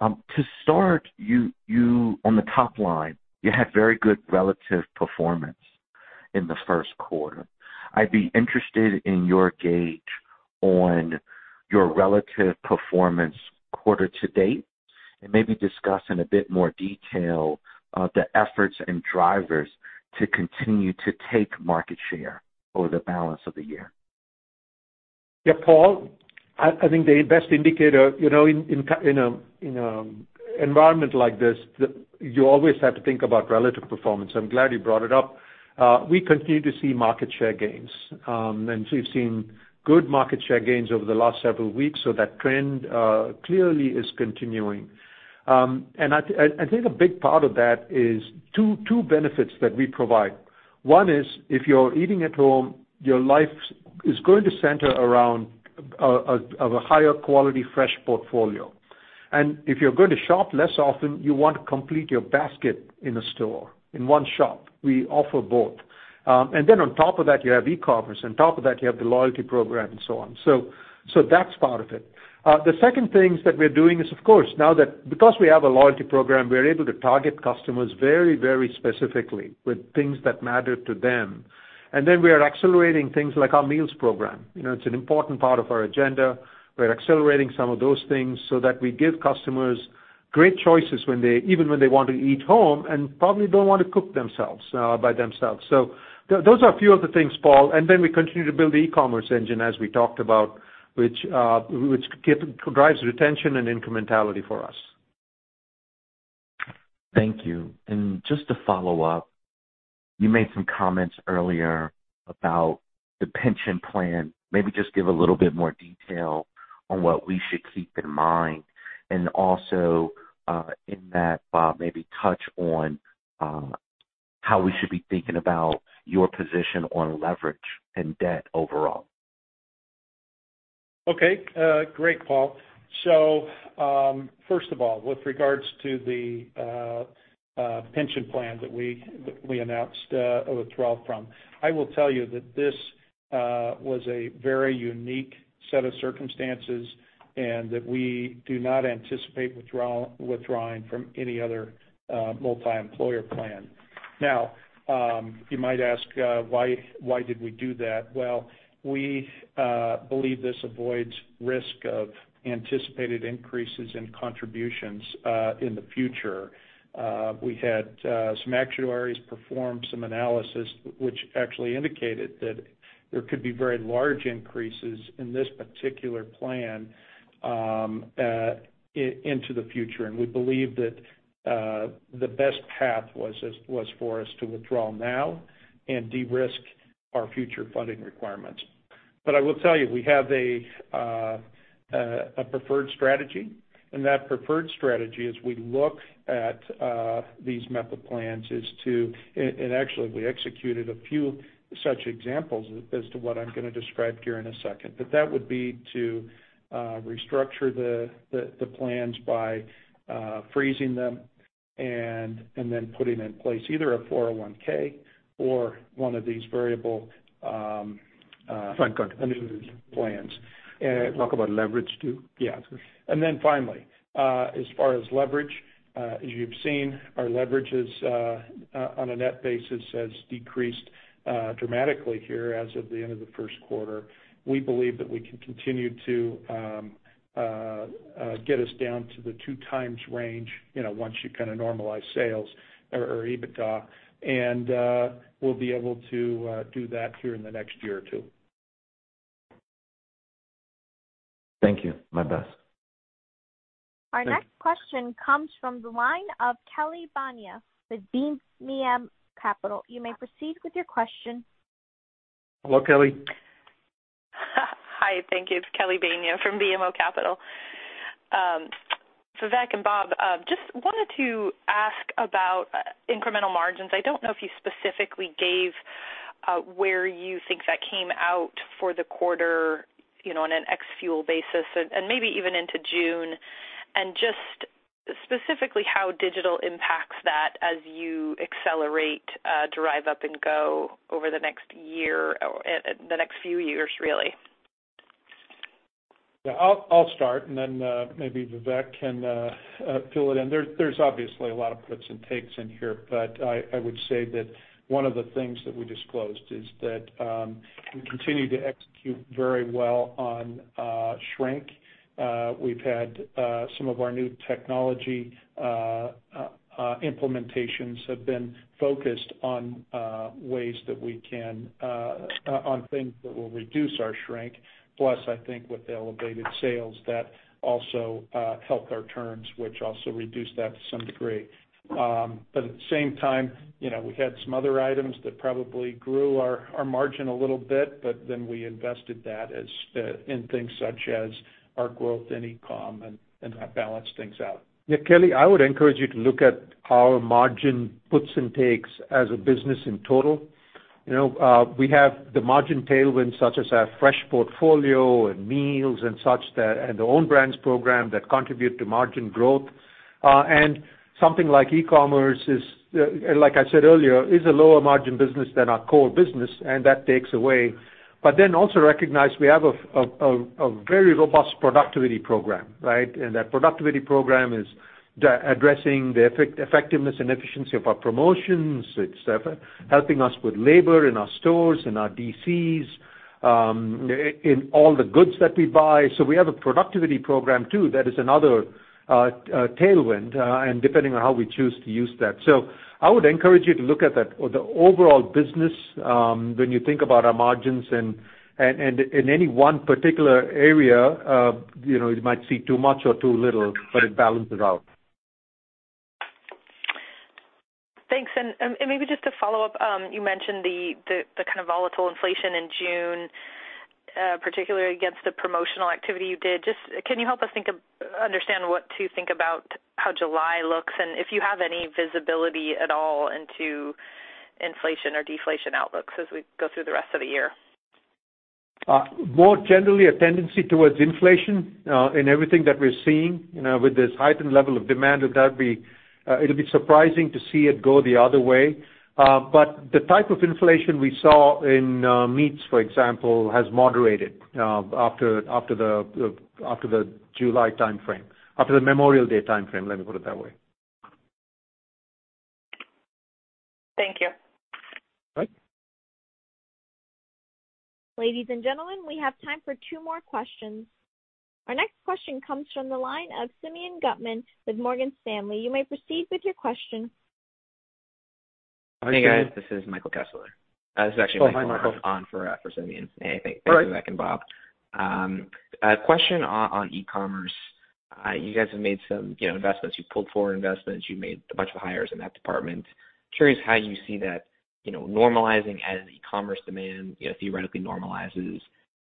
[SPEAKER 3] Paul.
[SPEAKER 13] To start, on the top line, you had very good relative performance in the Q1. I'd be interested in your gauge on your relative performance quarter to date and maybe discuss in a bit more detail the efforts and drivers to continue to take market share over the balance of the year?
[SPEAKER 3] Yeah. Paul, I think the best indicator in an environment like this, you always have to think about relative performance. I'm glad you brought it up. We continue to see market share gains. And we've seen good market share gains over the last several weeks. So that trend clearly is continuing. And I think a big part of that is two benefits that we provide. One is if you're eating at home, your life is going to center around a higher quality fresh portfolio. And if you're going to shop less often, you want to complete your basket in a store, in one shop. We offer both. And then on top of that, you have e-commerce. On top of that, you have the loyalty program and so on. So that's part of it. The second thing that we're doing is, of course, now that because we have a loyalty program, we're able to target customers very, very specifically with things that matter to them. And then we are accelerating things like our meals program. It's an important part of our agenda. We're accelerating some of those things so that we give customers great choices even when they want to eat home and probably don't want to cook by themselves. So those are a few of the things, Paul. And then we continue to build the e-commerce engine, as we talked about, which drives retention and incrementality for us.
[SPEAKER 13] Thank you. And just to follow up, you made some comments earlier about the pension plan. Maybe just give a little bit more detail on what we should keep in mind. And also in that, Bob, maybe touch on how we should be thinking about your position on leverage and debt overall.
[SPEAKER 3] Okay. Great, Paul. So first of all, with regards to the pension plan that we announced a withdrawal from, I will tell you that this was a very unique set of circumstances and that we do not anticipate withdrawing from any other multi-employer plan. Now, you might ask, why did we do that? Well, we believe this avoids risk of anticipated increases in contributions in the future. We had some actuaries perform some analysis, which actually indicated that there could be very large increases in this particular plan into the future. And we believe that the best path was for us to withdraw now and de-risk our future funding requirements. But I will tell you, we have a preferred strategy. And that preferred strategy, as we look at these MEPP plans, is to, and actually, we executed a few such examples as to what I'm going to describe here in a second. But that would be to restructure the plans by freezing them and then putting in place either a 401(k) or one of these variable defined contribution plans.
[SPEAKER 4] Talk about leverage too. Yeah, and then finally, as far as leverage, as you've seen, our leverage on a net basis has decreased dramatically here as of the end of the Q1. We believe that we can continue to get us down to the two times range once you kind of normalize sales or EBITDA. And we'll be able to do that here in the next year or two.
[SPEAKER 13] Thank you. My best.
[SPEAKER 1] Our next question comes from the line of Kelly Bania with BMO Capital. You may proceed with your question.
[SPEAKER 3] Hello, Kelly.
[SPEAKER 14] Hi. Thank you. It's Kelly Bania from BMO Capital. Vivek and Bob, just wanted to ask about incremental margins. I don't know if you specifically gave where you think that came out for the quarter on an ex-fuel basis and maybe even into June, and just specifically how digital impacts that as you accelerate, drive up and go over the next year or the next few years, really.
[SPEAKER 4] Yeah. I'll start, and then maybe Vivek can fill it in. There's obviously a lot of puts and takes in here, but I would say that one of the things that we disclosed is that we continue to execute very well on shrink. We've had some of our new technology implementations have been focused on ways that we can on things that will reduce our shrink. Plus, I think with the elevated sales, that also helped our terms, which also reduced that to some degree. But at the same time, we had some other items that probably grew our margin a little bit, but then we invested that in things such as our growth in e-com and balanced things out.
[SPEAKER 3] Yeah. Kelly, I would encourage you to look at our margin puts and takes as a business in total. We have the margin tailwinds such as our fresh portfolio and meals and such and the own brands program that contribute to margin growth. And something like e-commerce, like I said earlier, is a lower margin business than our core business, and that takes away. But then also recognize we have a very robust productivity program, right? And that productivity program is addressing the effectiveness and efficiency of our promotions. It's helping us with labor in our stores and our DCs in all the goods that we buy. So we have a productivity program too that is another tailwind, and depending on how we choose to use that. So I would encourage you to look at the overall business when you think about our margins and in any one particular area, you might see too much or too little, but it balances out.
[SPEAKER 14] Thanks. And maybe just to follow up, you mentioned the kind of volatile inflation in June, particularly against the promotional activity you did. Just can you help us understand what to think about how July looks and if you have any visibility at all into inflation or deflation outlooks as we go through the rest of the year?
[SPEAKER 4] More generally, a tendency towards inflation in everything that we're seeing with this heightened level of demand. It'll be surprising to see it go the other way. But the type of inflation we saw in meats, for example, has moderated after the July timeframe, after the Memorial Day timeframe. Let me put it that way.
[SPEAKER 14] Thank you.
[SPEAKER 1] Ladies and gentlemen, we have time for two more questions. Our next question comes from the line of Simeon Gutman with Morgan Stanley. You may proceed with your question.
[SPEAKER 15] Hey, guys. This is Michael Kessler. This is actually Michael on for Simeon. Hey, thanks, Vivek and Bob. Question on e-commerce. You guys have made some investments. You pulled forward investments. You made a bunch of hires in that department. Curious how you see that normalizing as e-commerce demand theoretically normalizes.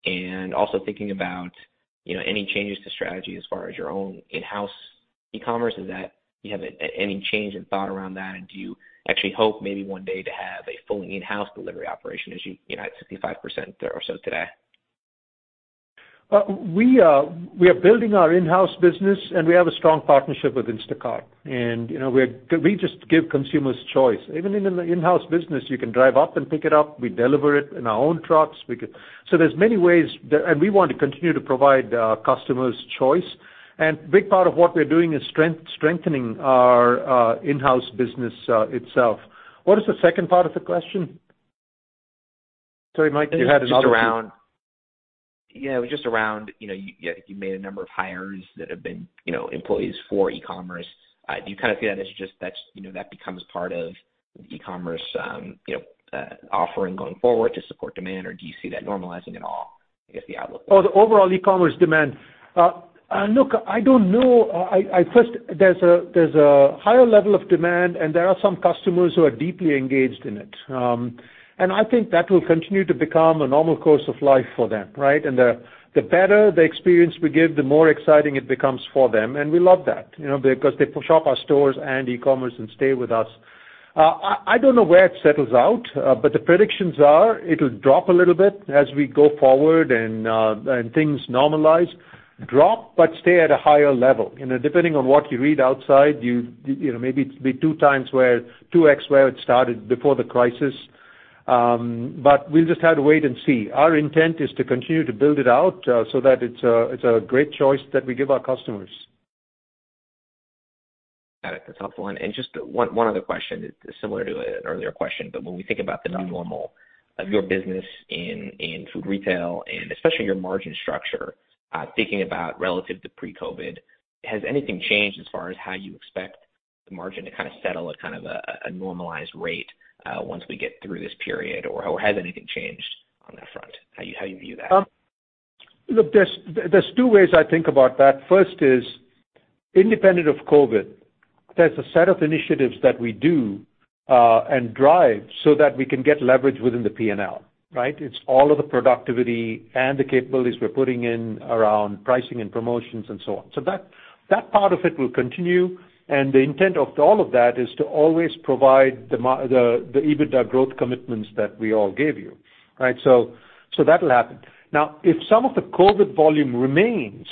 [SPEAKER 15] And also thinking about any changes to strategy as far as your own in-house e-commerce, is that you have any change in thought around that? And do you actually hope maybe one day to have a fully in-house delivery operation as you at 65% or so today?
[SPEAKER 4] We are building our in-house business, and we have a strong partnership with Instacart. And we just give consumers choice. Even in the in-house business, you can drive up and pick it up. We deliver it in our own trucks. So there's many ways. And we want to continue to provide customers choice. And a big part of what we're doing is strengthening our in-house business itself. What is the second part of the question? Sorry, Mike.You had another one. Yeah.
[SPEAKER 15] Just around, yeah, you made a number of hires that have been employees for e-commerce. Do you kind of see that as just that becomes part of the e-commerce offering going forward to support demand, or do you see that normalizing at all, I guess, the outlook?
[SPEAKER 4] Oh, the overall e-commerce demand. Look, I don't know. First, there's a higher level of demand, and there are some customers who are deeply engaged in it, and I think that will continue to become a normal course of life for them, right, and the better the experience we give, the more exciting it becomes for them, and we love that because they push up our stores and e-commerce and stay with us. I don't know where it settles out, but the predictions are it'll drop a little bit as we go forward and things normalize, drop, but stay at a higher level. Depending on what you read outside, maybe it'll be two times where two X where it started before the crisis. But we'll just have to wait and see. Our intent is to continue to build it out so that it's a great choice that we give our customers.
[SPEAKER 15] Got it. That's helpful. And just one other question similar to an earlier question, but when we think about the normal of your business in food retail and especially your margin structure, thinking about relative to pre-COVID, has anything changed as far as how you expect the margin to kind of settle at kind of a normalized rate once we get through this period? Or has anything changed on that front? How do you view that?
[SPEAKER 4] Look, there's two ways I think about that. First is, independent of COVID, there's a set of initiatives that we do and drive so that we can get leverage within the P&L, right? It's all of the productivity and the capabilities we're putting in around pricing and promotions and so on, so that part of it will continue, and the intent of all of that is to always provide the EBITDA growth commitments that we all gave you, right, so that'll happen. Now, if some of the COVID volume remains,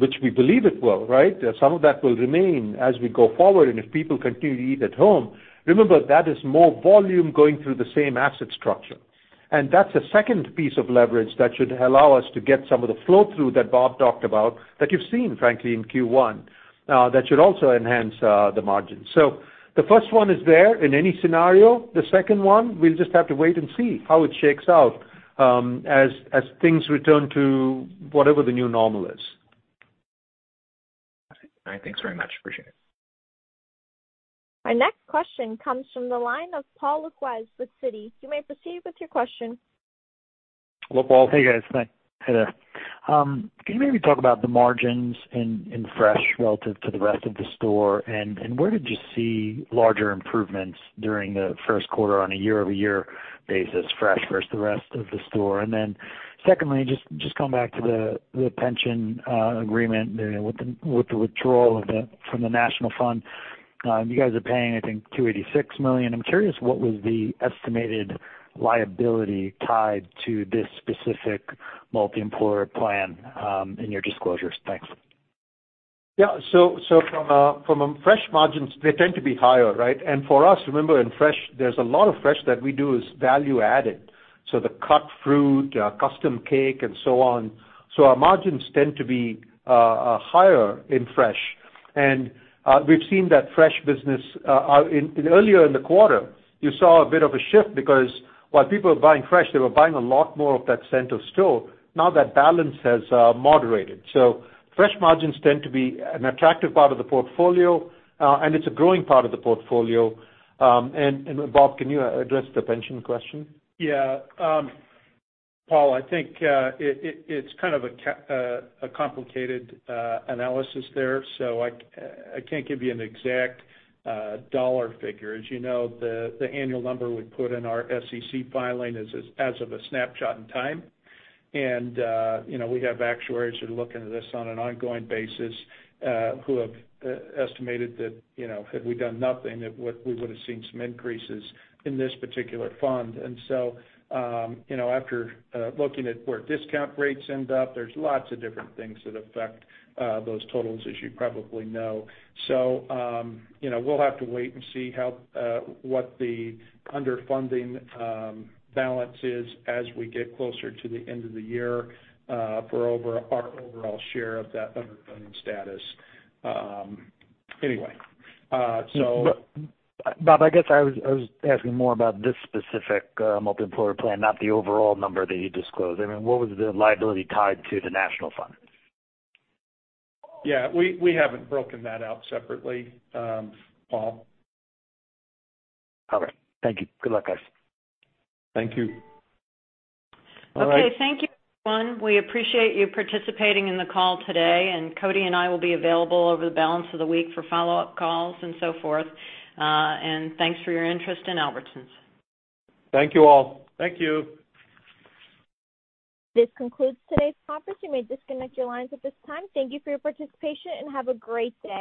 [SPEAKER 4] which we believe it will, right? Some of that will remain as we go forward, and if people continue to eat at home, remember, that is more volume going through the same asset structure, and that's a second piece of leverage that should allow us to get some of the flow through that Bob talked about that you've seen, frankly, in Q1 that should also enhance the margin. So the first one is there in any scenario. The second one, we'll just have to wait and see how it shakes out as things return to whatever the new normal is.
[SPEAKER 15] All right. Thanks very much. Appreciate it.
[SPEAKER 1] Our next question comes from the line of Paul Lejuez with Citi. You may proceed with your question.
[SPEAKER 3] Hello, Paul.
[SPEAKER 16] Hey, guys. Hi. Hey there. Can you maybe talk about the margins in fresh relative to the rest of the store? And where did you see larger improvements during the Q1 on a year-over-year basis, fresh versus the rest of the store? And then secondly, just come back to the pension agreement with the withdrawal from the national fund. You guys are paying, I think, $286 million. I'm curious what was the estimated liability tied to this specific multi-employer plan in your disclosures. Thanks.
[SPEAKER 3] Yeah. So, from a fresh margins, they tend to be higher, right? And for us, remember, in fresh, there's a lot of fresh that we do is value-added. So the cut fruit, custom cake, and so on. So our margins tend to be higher in fresh. And we've seen that fresh business earlier in the quarter, you saw a bit of a shift because while people were buying fresh, they were buying a lot more of that center store. Now that balance has moderated. So fresh margins tend to be an attractive part of the portfolio, and it's a growing part of the portfolio. And Bob, can you address the pension question?
[SPEAKER 4] Yeah. Paul, I think it's kind of a complicated analysis there. So I can't give you an exact dollar figure. As you know, the annual number we put in our SEC filing is as of a snapshot in time. And we have actuaries who are looking at this on an ongoing basis who have estimated that had we done nothing, we would have seen some increases in this particular fund. And so after looking at where discount rates end up, there's lots of different things that affect those totals, as you probably know. So we'll have to wait and see what the underfunding balance is as we get closer to the end of the year for our overall share of that underfunding status. Anyway, so.
[SPEAKER 16] Bob, I guess I was asking more about this specific multi-employer plan, not the overall number that you disclosed. I mean, what was the liability tied to the national fund?
[SPEAKER 4] Yeah. We haven't broken that out separately, Paul.
[SPEAKER 16] All right. Thank you. Good luck, guys.
[SPEAKER 3] Thank you.
[SPEAKER 16] All right.
[SPEAKER 2] Okay. Thank you, everyone. We appreciate you participating in the call today, and Cody and I will be available over the balance of the week for follow-up calls and so forth, and thanks for your interest in Albertsons.
[SPEAKER 3] Thank you all
[SPEAKER 4] Thank you.
[SPEAKER 1] This concludes today's conference. You may disconnect your lines at this time. Thank you for your participation and have a great day.